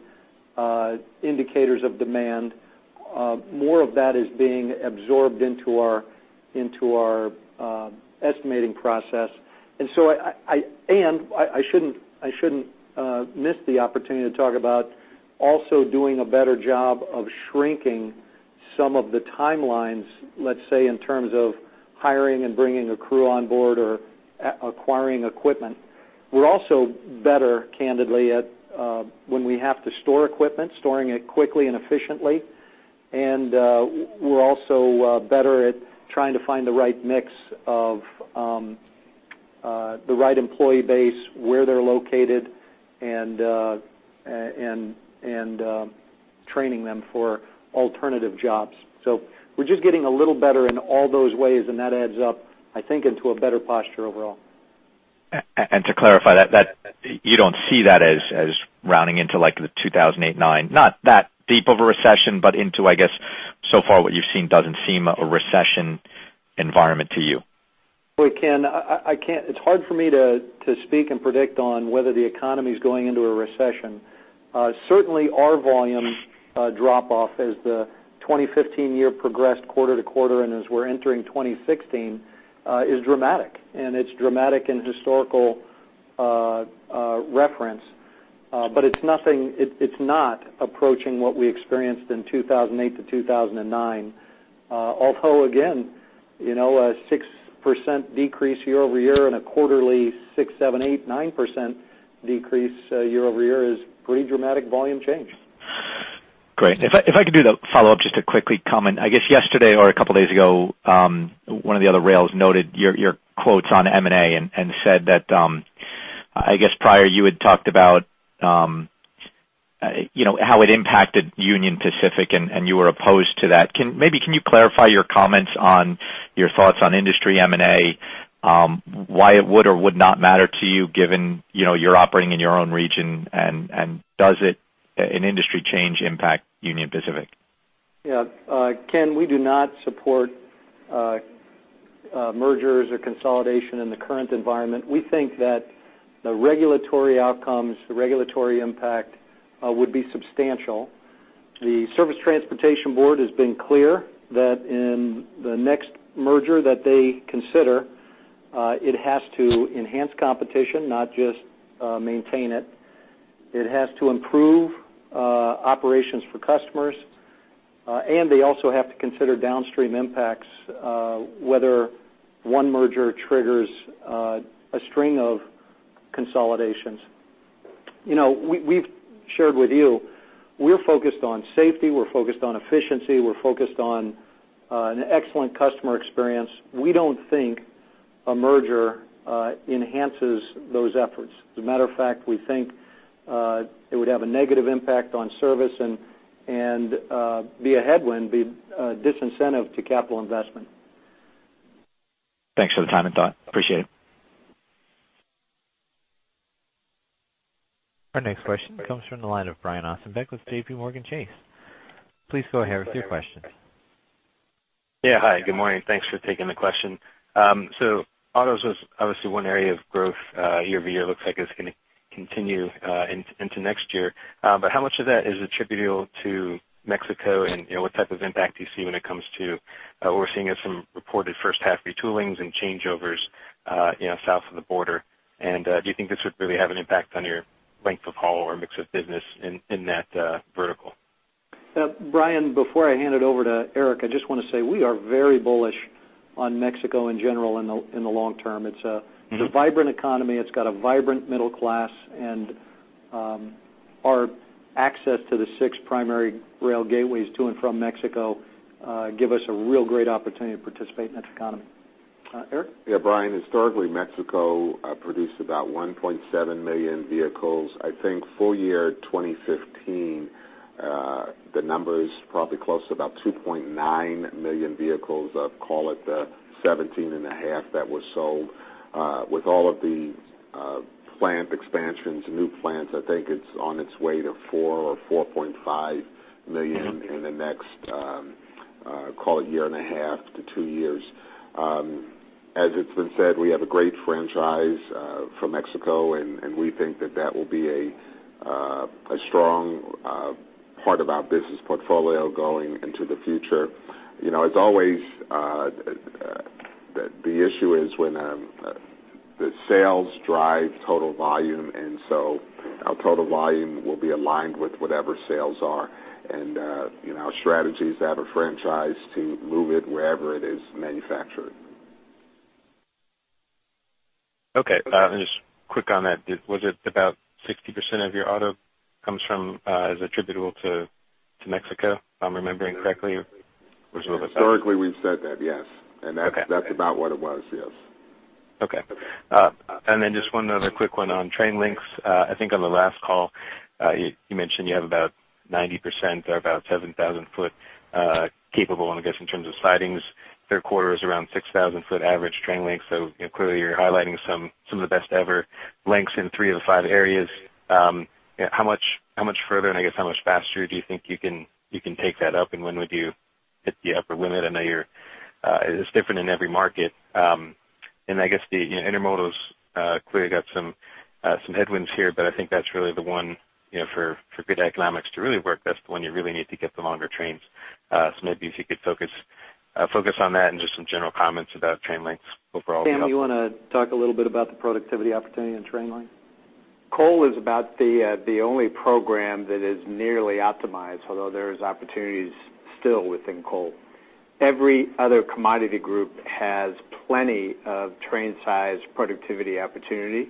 indicators of demand, more of that is being absorbed into our estimating process. I shouldn't miss the opportunity to talk about also doing a better job of shrinking some of the timelines, let's say, in terms of hiring and bringing a crew on board or acquiring equipment. We're also better, candidly, at when we have to store equipment, storing it quickly and efficiently, we're also better at trying to find the right mix of the right employee base, where they're located, and training them for alternative jobs. We're just getting a little better in all those ways, and that adds up, I think, into a better posture overall. To clarify that, you don't see that as rounding into the 2008, 2009, not that deep of a recession, but into, I guess, so far what you've seen doesn't seem a recession environment to you? Ken, it's hard for me to speak and predict on whether the economy's going into a recession. Certainly, our volume drop-off as the 2015 year progressed quarter to quarter and as we're entering 2016, is dramatic, and it's dramatic in historical reference. It's not approaching what we experienced in 2008 to 2009. Although, again, a 6% decrease year-over-year and a quarterly 6%, 7%, 8%, 9% decrease year-over-year is pretty dramatic volume change. Great. If I could do the follow-up, just a quick comment. I guess yesterday or a couple of days ago, one of the other rails noted your quotes on M&A and said that, I guess prior, you had talked about how it impacted Union Pacific, and you were opposed to that. Maybe can you clarify your comments on your thoughts on industry M&A, why it would or would not matter to you given you're operating in your own region, and does it, an industry change, impact Union Pacific? Yeah. Ken, we do not support mergers or consolidation in the current environment. We think that the regulatory outcomes, the regulatory impact would be substantial. The Surface Transportation Board has been clear that in the next merger that they consider, it has to enhance competition, not just maintain it. It has to improve operations for customers, and they also have to consider downstream impacts, whether one merger triggers a string of consolidations. We've shared with you, we're focused on safety, we're focused on efficiency, we're focused on an excellent customer experience. We don't think a merger enhances those efforts. As a matter of fact, we think it would have a negative impact on service and be a headwind, be a disincentive to capital investment. Thanks for the time and thought. Appreciate it. Our next question comes from the line of Brian Ossenbeck with JPMorgan Chase. Please go ahead with your question. Yeah. Hi, good morning. Thanks for taking the question. Autos was obviously one area of growth year-over-year, looks like it's going to continue into next year. How much of that is attributable to Mexico? What type of impact do you see when it comes to what we're seeing as some reported first half retoolings and changeovers south of the border? Do you think this would really have an impact on your length of haul or mix of business in that vertical? Brian, before I hand it over to Eric, I just want to say we are very bullish on Mexico in general in the long term. It's a vibrant economy. It's got a vibrant middle class, and our access to the six primary rail gateways to and from Mexico give us a real great opportunity to participate in that economy. Eric? Yeah, Brian, historically, Mexico produced about 1.7 million vehicles. I think full year 2015, the number is probably close to about 2.9 million vehicles of, call it, the 17.5 that were sold. With all of the plant expansions, new plants, I think it's on its way to 4 or 4.5 million in the next, call it year and a half to two years. As it's been said, we have a great franchise for Mexico, and we think that that will be a strong part of our business portfolio going into the future. The issue is when the sales drive total volume, so our total volume will be aligned with whatever sales are. Our strategy is to have a franchise to move it wherever it is manufactured. Okay. Just quick on that, was it about 60% of your auto comes from, is attributable to Mexico, if I'm remembering correctly? Historically, we've said that, yes. Okay. That's about what it was, yes. Okay. Just one other quick one on train lengths. I think on the last call, you mentioned you have about 90%, or about 7,000 foot capable, and I guess in terms of sidings, third quarter is around 6,000 foot average train length. Clearly, you're highlighting some of the best ever lengths in three of the five areas. How much further, and I guess how much faster do you think you can take that up, and when would you hit the upper limit? I know it's different in every market. I guess the intermodal's clearly got some headwinds here, but I think that's really the one for good economics to really work, that's the one you really need to get the longer trains. So maybe if you could focus on that and just some general comments about train lengths overall. Dan, you want to talk a little bit about the productivity opportunity on train length? Coal is about the only program that is nearly optimized, although there is opportunities still within coal. Every other commodity group has plenty of train size productivity opportunity,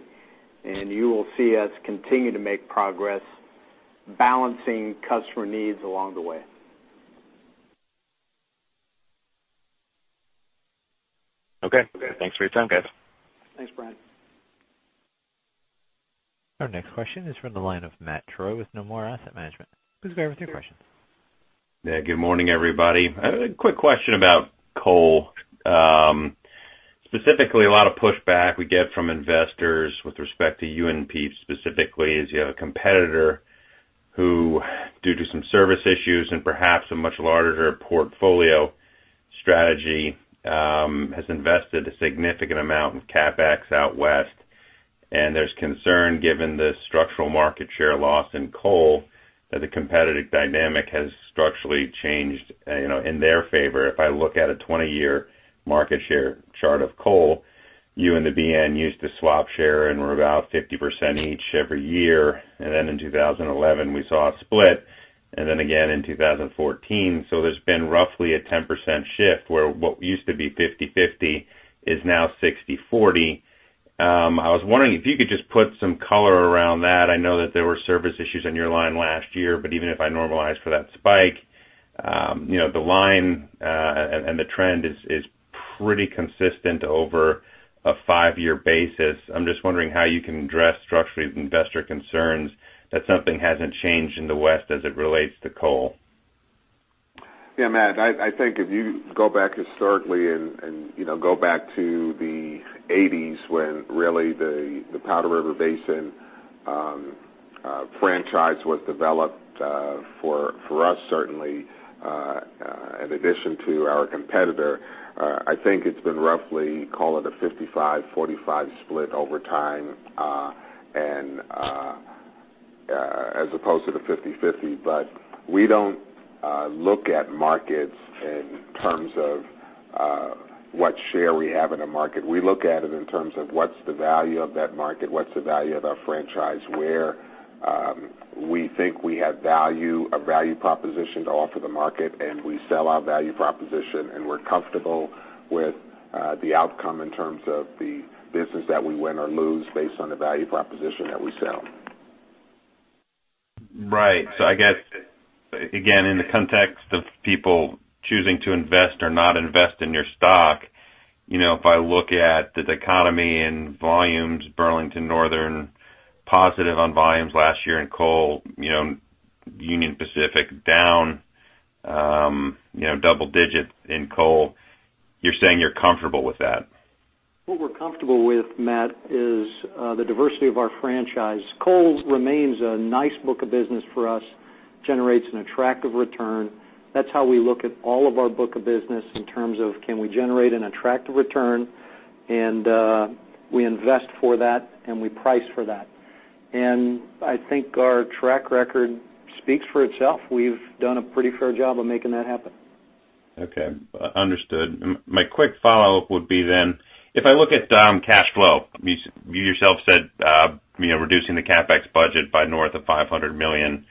and you will see us continue to make progress balancing customer needs along the way. Okay. Thanks for your time, guys. Thanks, Brian. Our next question is from the line of Matt Troy with Nomura Asset Management. Please go ahead with your question. Yeah, good morning, everybody. A quick question about coal. Specifically, a lot of pushback we get from investors with respect to UNP specifically is you have a competitor who, due to some service issues and perhaps a much larger portfolio strategy, has invested a significant amount in CapEx out West. There's concern given the structural market share loss in coal that the competitive dynamic has structurally changed in their favor. If I look at a 20-year market share chart of coal, you and the BNSF used to swap share and were about 50% each every year. In 2011, we saw a split, and then again in 2014. There's been roughly a 10% shift where what used to be 50/50 is now 60/40. I was wondering if you could just put some color around that. I know that there were service issues on your line last year, even if I normalize for that spike, the line and the trend is pretty consistent over a five-year basis. I'm just wondering how you can address structurally investor concerns that something hasn't changed in the West as it relates to coal. Yeah, Matt, I think if you go back historically and go back to the '80s when really the Powder River Basin franchise was developed, for us certainly, in addition to our competitor, I think it's been roughly, call it a 55/45 split over time, as opposed to the 50/50. We don't look at markets in terms of what share we have in a market. We look at it in terms of what's the value of that market, what's the value of our franchise, where we think we have a value proposition to offer the market, and we sell our value proposition, and we're comfortable with the outcome in terms of the business that we win or lose based on the value proposition that we sell. Right. I guess, again, in the context of people choosing to invest or not invest in your stock, if I look at the dichotomy in volumes, Burlington Northern positive on volumes last year in coal, Union Pacific down double digit in coal, you're saying you're comfortable with that? What we're comfortable with, Matt, is the diversity of our franchise. Coal remains a nice book of business for us, generates an attractive return. That's how we look at all of our book of business in terms of can we generate an attractive return, and we invest for that, and we price for that. I think our track record speaks for itself. We've done a pretty fair job of making that happen. Okay. Understood. My quick follow-up would be, if I look at cash flow, you yourself said reducing the CapEx budget by north of $500 million.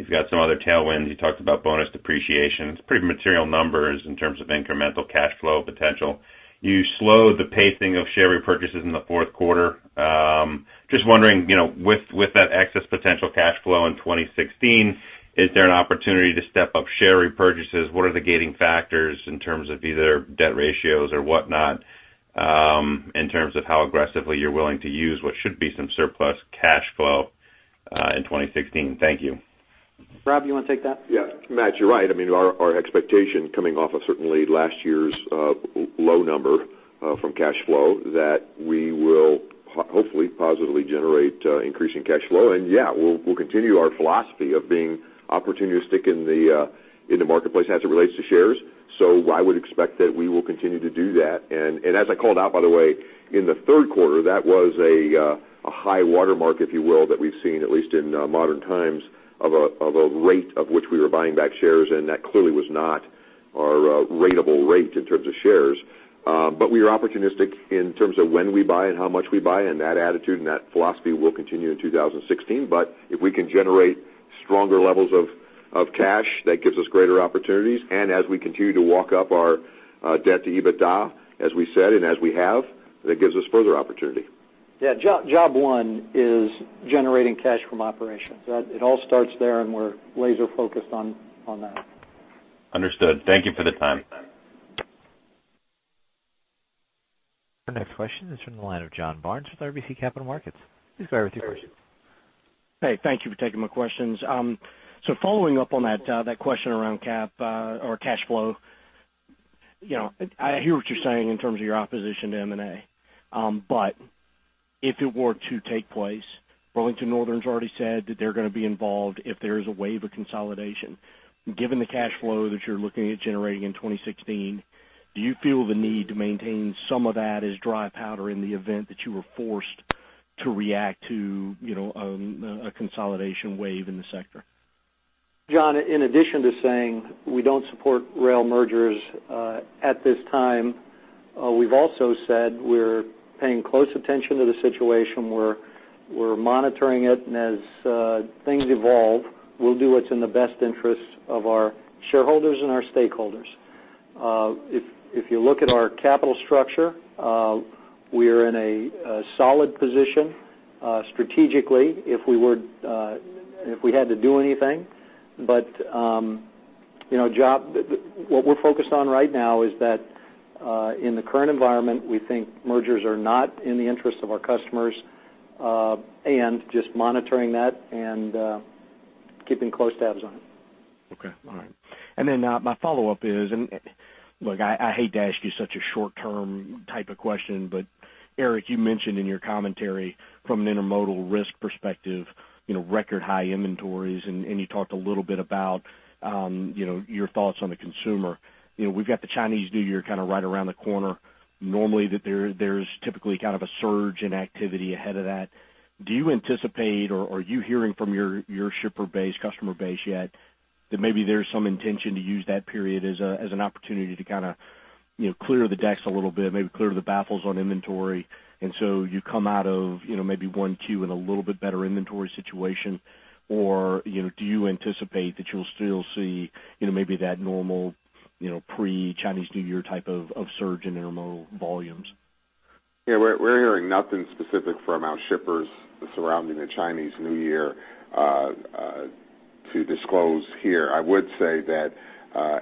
You've got some other tailwinds. You talked about bonus depreciation. It's pretty material numbers in terms of incremental cash flow potential. You slowed the pacing of share repurchases in the fourth quarter. Just wondering, with that excess potential cash flow in 2016, is there an opportunity to step up share repurchases? What are the gating factors in terms of either debt ratios or whatnot, in terms of how aggressively you're willing to use what should be some surplus cash flow in 2016? Thank you. Rob, you want to take that? Yeah, Matt, you're right. Our expectation coming off of certainly last year's low number from cash flow, that we will hopefully positively generate increasing cash flow. Yeah, we'll continue our philosophy of being opportunistic in the marketplace as it relates to shares. I would expect that we will continue to do that. As I called out, by the way, in the third quarter, that was a high water mark, if you will, that we've seen at least in modern times of a rate of which we were buying back shares, and that clearly was not our ratable rate in terms of shares. We are opportunistic in terms of when we buy and how much we buy, and that attitude and that philosophy will continue in 2016. If we can generate stronger levels of cash, that gives us greater opportunities. As we continue to walk up our debt to EBITDA, as we said and as we have, that gives us further opportunity. Yeah. Job one is generating cash from operations. It all starts there, and we're laser focused on that. Understood. Thank you for the time. Our next question is from the line of John Barnes with RBC Capital Markets. Please go ahead with your question. Hey, thank you for taking my questions. Following up on that question around cash flow, I hear what you're saying in terms of your opposition to M&A. If it were to take place, Burlington Northern's already said that they're going to be involved if there is a wave of consolidation. Given the cash flow that you're looking at generating in 2016, do you feel the need to maintain some of that as dry powder in the event that you were forced to react to a consolidation wave in the sector? John, in addition to saying we don't support rail mergers at this time, we've also said we're paying close attention to the situation. We're monitoring it, and as things evolve, we'll do what's in the best interest of our shareholders and our stakeholders. If you look at our capital structure, we're in a solid position strategically if we had to do anything. What we're focused on right now is that in the current environment, we think mergers are not in the interest of our customers, and just monitoring that and keeping close tabs on it. Okay. All right. My follow-up is, I hate to ask you such a short-term type of question, Eric, you mentioned in your commentary from an intermodal risk perspective, record high inventories, and you talked a little bit about your thoughts on the consumer. We've got the Chinese New Year right around the corner. Normally, there is typically a surge in activity ahead of that. Do you anticipate, or are you hearing from your shipper base, customer base yet that maybe there's some intention to use that period as an opportunity to clear the decks a little bit, maybe clear the baffles on inventory, and so you come out of maybe one, two in a little bit better inventory situation? Or do you anticipate that you'll still see maybe that normal pre-Chinese New Year type of surge in intermodal volumes? Yeah. We're hearing nothing specific from our shippers surrounding the Chinese New Year to disclose here. I would say that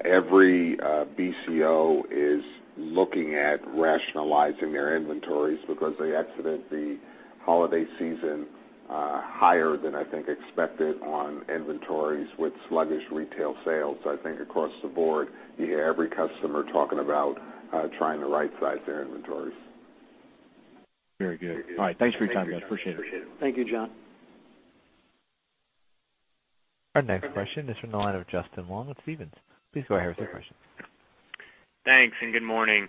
every BCO is looking at rationalizing their inventories because they exited the holiday season higher than I think expected on inventories with sluggish retail sales. I think across the board, you hear every customer talking about trying to right-size their inventories. Very good. All right. Thanks for your time, guys. Appreciate it. Thank you, John. Our next question is from the line of Justin Long with Stephens. Please go ahead with your question. Thanks, and good morning.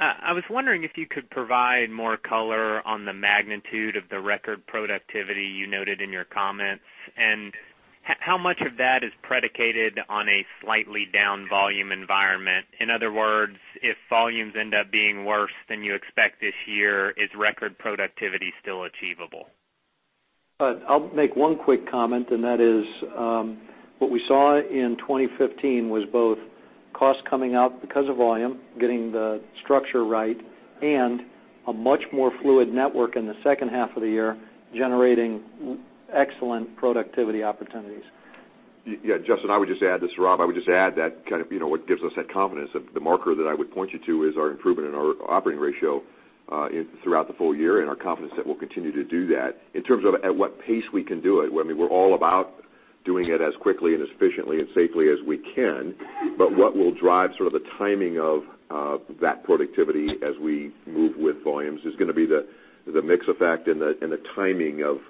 I was wondering if you could provide more color on the magnitude of the record productivity you noted in your comments, and how much of that is predicated on a slightly down volume environment. In other words, if volumes end up being worse than you expect this year, is record productivity still achievable? I'll make one quick comment, and that is what we saw in 2015 was both costs coming out because of volume, getting the structure right, and a much more fluid network in the second half of the year, generating excellent productivity opportunities. Yeah, Justin, I would just add this, Rob. I would just add that what gives us that confidence, the marker that I would point you to is our improvement in our operating ratio throughout the full year and our confidence that we'll continue to do that. In terms of at what pace we can do it, we're all about doing it as quickly and as efficiently and safely as we can. What will drive sort of the timing of that productivity as we move with volumes is going to be the mix effect and the timing of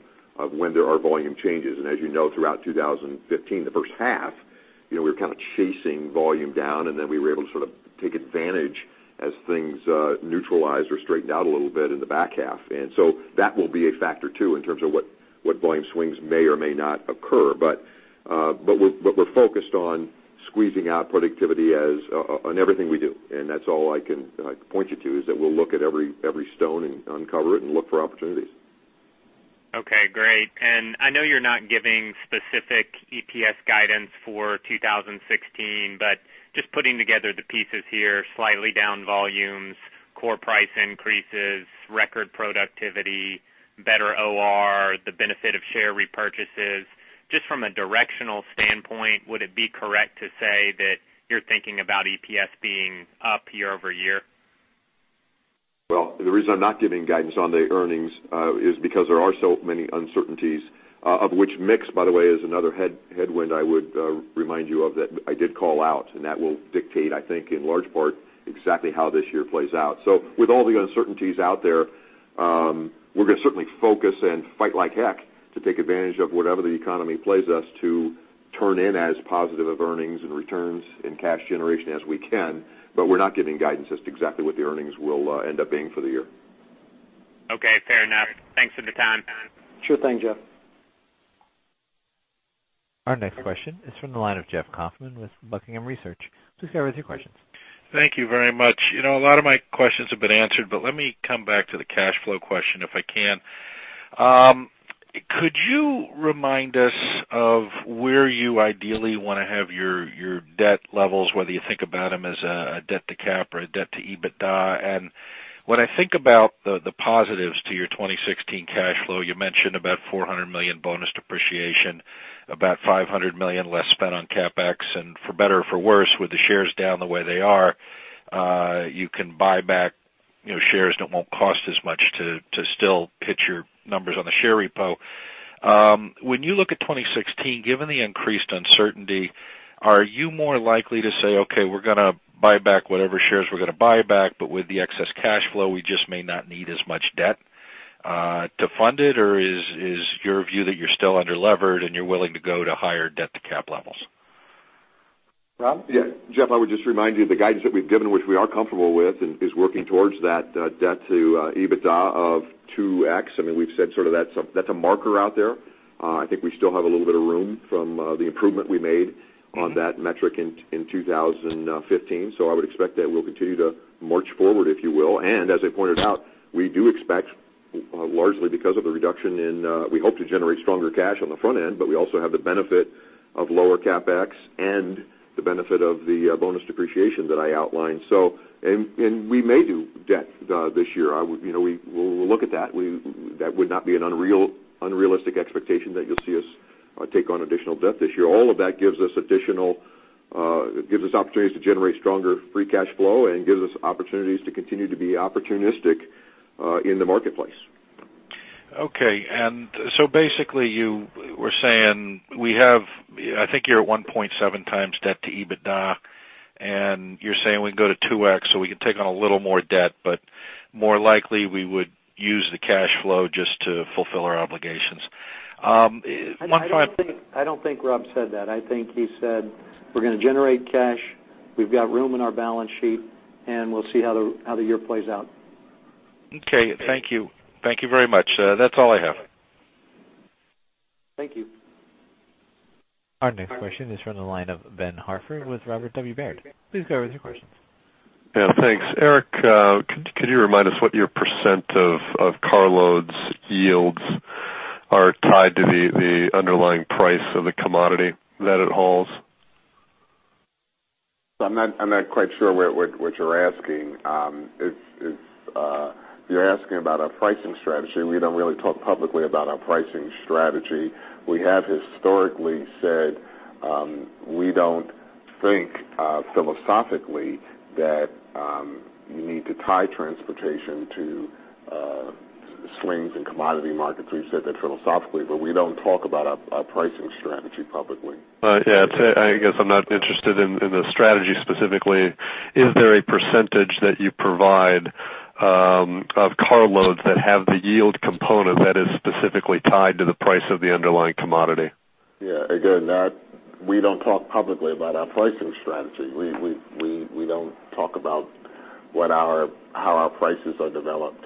when there are volume changes. As you know, throughout 2015, the first half, we were kind of chasing volume down, then we were able to sort of take advantage as things neutralized or straightened out a little bit in the back half. That will be a factor too, in terms of what volume swings may or may not occur. We're focused on squeezing out productivity on everything we do. That's all I can point you to, is that we'll look at every stone and uncover it and look for opportunities. Okay, great. I know you're not giving specific EPS guidance for 2016, but just putting together the pieces here, slightly down volumes, core price increases, record productivity, better OR, the benefit of share repurchases. Just from a directional standpoint, would it be correct to say that you're thinking about EPS being up year-over-year? Well, the reason I'm not giving guidance on the earnings is because there are so many uncertainties. Of which mix, by the way, is another headwind I would remind you of that I did call out, that will dictate, I think, in large part, exactly how this year plays out. With all the uncertainties out there, we're going to certainly focus and fight like heck to take advantage of whatever the economy plays us to turn in as positive of earnings and returns and cash generation as we can. We're not giving guidance as to exactly what the earnings will end up being for the year. Okay, fair enough. Thanks for the time. Sure thing, Jeff. Our next question is from the line of Jeff Kaufman with Buckingham Research. Please go with your questions. Thank you very much. A lot of my questions have been answered. Let me come back to the cash flow question, if I can. Could you remind us of where you ideally want to have your debt levels, whether you think about them as a debt to cap or a debt to EBITDA? When I think about the positives to your 2016 cash flow, you mentioned about $400 million bonus depreciation, about $500 million less spent on CapEx. For better or for worse, with the shares down the way they are, you can buy back shares that won't cost as much to still hit your numbers on the share repo. When you look at 2016, given the increased uncertainty, are you more likely to say, "Okay, we're going to buy back whatever shares we're going to buy back, but with the excess cash flow, we just may not need as much debt to fund it?" Or is your view that you're still under-levered and you're willing to go to higher debt to cap levels? Rob? Yeah. Jeff, I would just remind you the guidance that we've given, which we are comfortable with, is working towards that debt to EBITDA of 2x. We've said that's a marker out there. I think we still have a little bit of room from the improvement we made on that metric in 2015. I would expect that we'll continue to march forward, if you will. As I pointed out, we do expect, largely because of the reduction, we hope to generate stronger cash on the front end, but we also have the benefit of lower CapEx and the benefit of the bonus depreciation that I outlined. We may do debt this year. We'll look at that. That would not be an unrealistic expectation that you'll see us take on additional debt this year. All of that gives us opportunities to generate stronger free cash flow and gives us opportunities to continue to be opportunistic in the marketplace. Okay. Basically, you were saying, I think you're at 1.7x debt to EBITDA, you're saying we can go to 2x, we can take on a little more debt. More likely we would use the cash flow just to fulfill our obligations. I don't think Rob said that. I think he said, we're going to generate cash. We've got room in our balance sheet, we'll see how the year plays out. Okay. Thank you. Thank you very much. That's all I have. Thank you. Our next question is from the line of Ben Hartford with Robert W. Baird. Please go with your questions. Yeah, thanks. Eric, could you remind us what your % of car loads yields are tied to the underlying price of the commodity that it hauls? I'm not quite sure what you're asking. If you're asking about our pricing strategy, we don't really talk publicly about our pricing strategy. We have historically said we don't think philosophically that you need to tie transportation to swings in commodity markets. We've said that philosophically, we don't talk about our pricing strategy publicly. Yeah. I guess I'm not interested in the strategy specifically. Is there a % that you provide of car loads that have the yield component that is specifically tied to the price of the underlying commodity? Yeah, again, we don't talk publicly about our pricing strategy. We don't talk about how our prices are developed.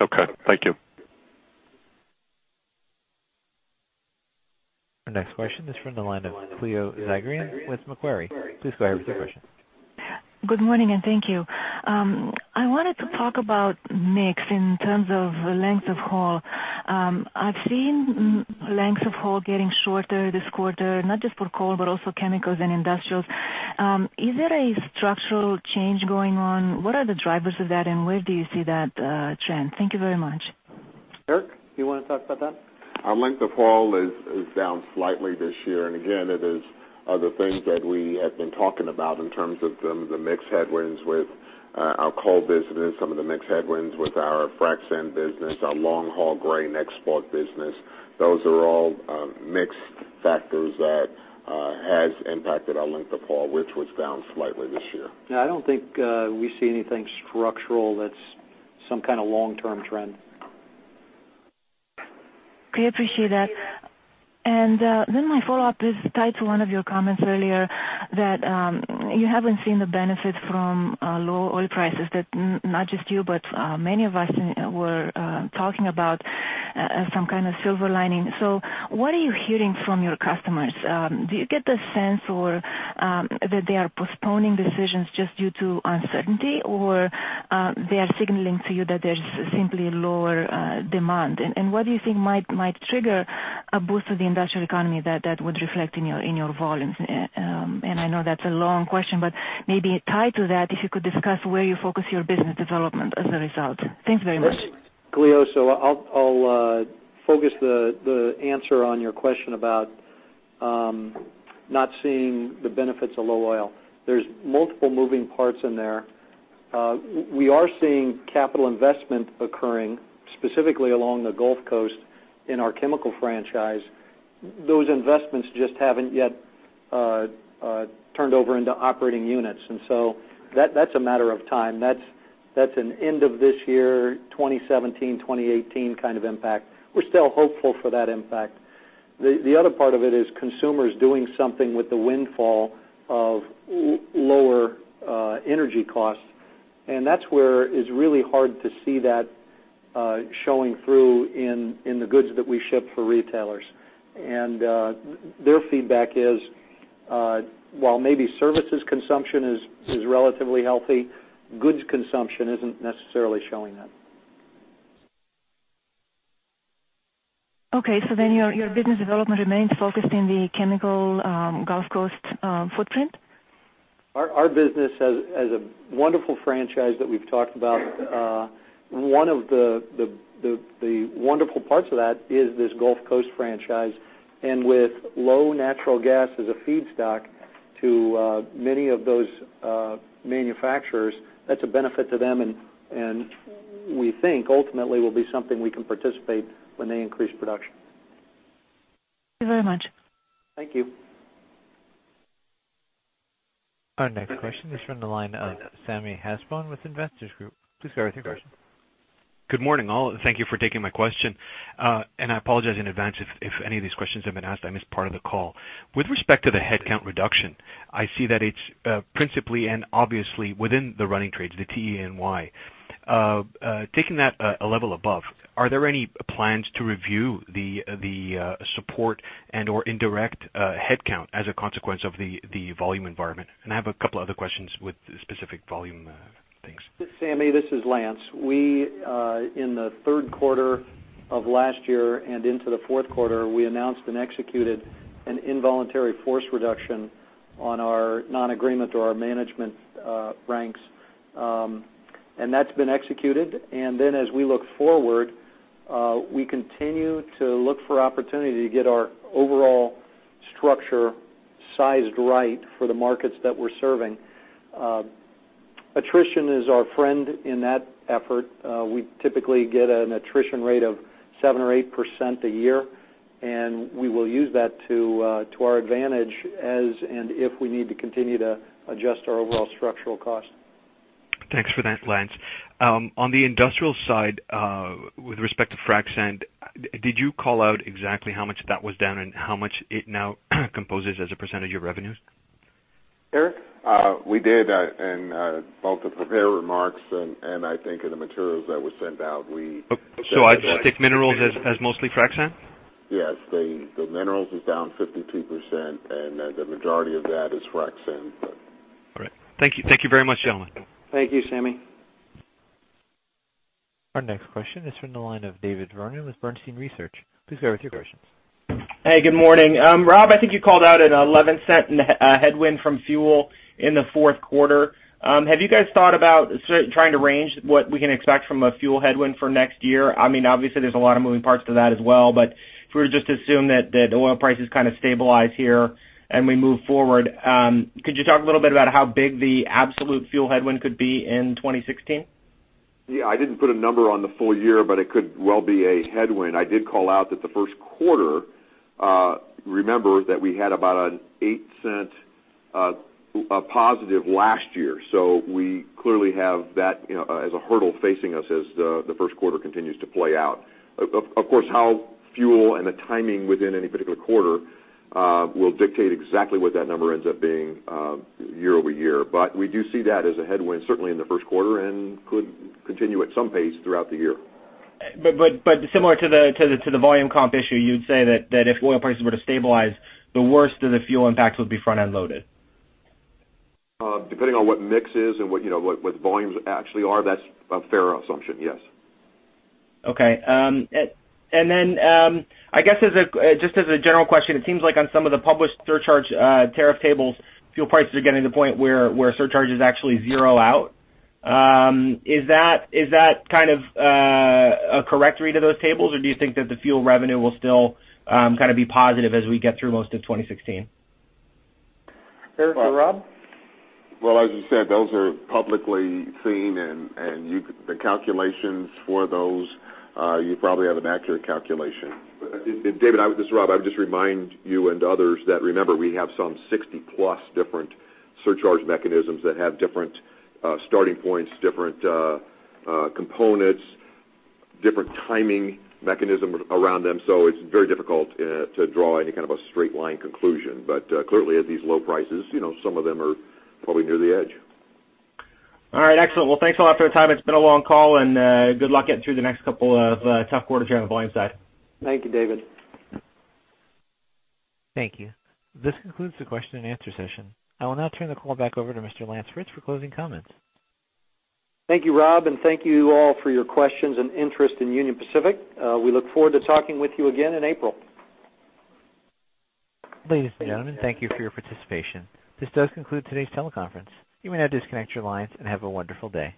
Okay, thank you. Our next question is from the line of Cleo Zagrean with Macquarie. Please go ahead with your question. Good morning, thank you. I wanted to talk about mix in terms of length of haul. I've seen length of haul getting shorter this quarter, not just for coal, but also chemicals and industrials. Is there a structural change going on? What are the drivers of that, and where do you see that trend? Thank you very much. Eric, do you want to talk about that? Our length of haul is down slightly this year. Again, it is other things that we have been talking about in terms of some of the mix headwinds with our coal business, some of the mix headwinds with our frac sand business, our long-haul grain export business. Those are all mix factors that have impacted our length of haul, which was down slightly this year. Yeah, I don't think we see anything structural that's some kind of long-term trend. Okay, appreciate that. Then my follow-up is tied to one of your comments earlier that you haven't seen the benefit from low oil prices, that not just you, but many of us were talking about some kind of silver lining. What are you hearing from your customers? Do you get the sense that they are postponing decisions just due to uncertainty, or they are signaling to you that there's simply lower demand? What do you think might trigger a boost to the industrial economy that would reflect in your volumes? I know that's a long question, but maybe tied to that, if you could discuss where you focus your business development as a result. Thanks very much. Cleo, I'll focus the answer on your question about not seeing the benefits of low oil. There's multiple moving parts in there. We are seeing capital investment occurring, specifically along the Gulf Coast in our chemical franchise. Those investments just haven't yet turned over into operating units, so that's a matter of time. That's an end of this year, 2017, 2018 kind of impact. We're still hopeful for that impact. The other part of it is consumers doing something with the windfall of lower energy costs, that's where it's really hard to see that showing through in the goods that we ship for retailers. Their feedback is, while maybe services consumption is relatively healthy, goods consumption isn't necessarily showing that. Okay, your business development remains focused in the chemical Gulf Coast footprint? Our business has a wonderful franchise that we've talked about. One of the wonderful parts of that is this Gulf Coast franchise. With low natural gas as a feedstock to many of those manufacturers, that's a benefit to them, and we think ultimately will be something we can participate when they increase production. Thank you very much. Thank you. Our next question is from the line of Sanny Hashemi with Investors Group. Please go ahead with your questions. Good morning, all. Thank you for taking my question. I apologize in advance if any of these questions have been asked, I missed part of the call. With respect to the headcount reduction, I see that it's principally and obviously within the running trades, the T, E, and Y. Taking that a level above, are there any plans to review the support and/or indirect headcount as a consequence of the volume environment? I have a couple other questions with specific volume things. Sanny, this is Lance. We, in the third quarter of last year and into the fourth quarter, we announced and executed an involuntary force reduction on our non-agreement or our management ranks, that's been executed. As we look forward, we continue to look for opportunity to get our overall structure sized right for the markets that we're serving. Attrition is our friend in that effort. We typically get an attrition rate of 7% or 8% a year, we will use that to our advantage as and if we need to continue to adjust our overall structural cost. Thanks for that, Lance. On the industrial side, with respect to frac sand, did you call out exactly how much that was down and how much it now composes as a percentage of revenues? Eric? We did, in both the prepared remarks and I think in the materials that were sent out. I'd take minerals as mostly frac sand? Yes. The minerals is down 52%, and the majority of that is frac sand. All right. Thank you very much, gentlemen. Thank you, Sanny. Our next question is from the line of David Vernon with Bernstein Research. Please go ahead with your questions. Hey, good morning. Rob, I think you called out an $0.11 headwind from fuel in the fourth quarter. Have you guys thought about trying to range what we can expect from a fuel headwind for next year? Obviously, there's a lot of moving parts to that as well, but if we were to just assume that the oil prices kind of stabilize here and we move forward, could you talk a little bit about how big the absolute fuel headwind could be in 2016? Yeah, I didn't put a number on the full year, but it could well be a headwind. I did call out that the first quarter, remember that we had about an $0.08 positive last year. We clearly have that as a hurdle facing us as the first quarter continues to play out. Of course, how fuel and the timing within any particular quarter will dictate exactly what that number ends up being year-over-year. We do see that as a headwind, certainly in the first quarter, and could continue at some pace throughout the year. Similar to the volume comp issue, you'd say that if oil prices were to stabilize, the worst of the fuel impacts would be front-end loaded? Depending on what mix is and what volumes actually are, that's a fair assumption, yes. Okay. I guess just as a general question, it seems like on some of the published surcharge tariff tables, fuel prices are getting to the point where surcharges actually zero out. Is that kind of a correct read of those tables, or do you think that the fuel revenue will still kind of be positive as we get through most of 2016? Eric or Rob? Well, as you said, those are publicly seen, and the calculations for those, you probably have an accurate calculation. David, this is Rob. I would just remind you and others that, remember, we have some 60-plus different surcharge mechanisms that have different starting points, different components, different timing mechanism around them. It's very difficult to draw any kind of a straight line conclusion. Clearly at these low prices, some of them are probably near the edge. All right, excellent. Well, thanks a lot for the time. It's been a long call, and good luck getting through the next couple of tough quarters here on the volume side. Thank you, David. Thank you. This concludes the question and answer session. I will now turn the call back over to Mr. Lance Fritz for closing comments. Thank you, Rob, and thank you all for your questions and interest in Union Pacific. We look forward to talking with you again in April. Ladies and gentlemen, thank you for your participation. This does conclude today's teleconference. You may now disconnect your lines, and have a wonderful day.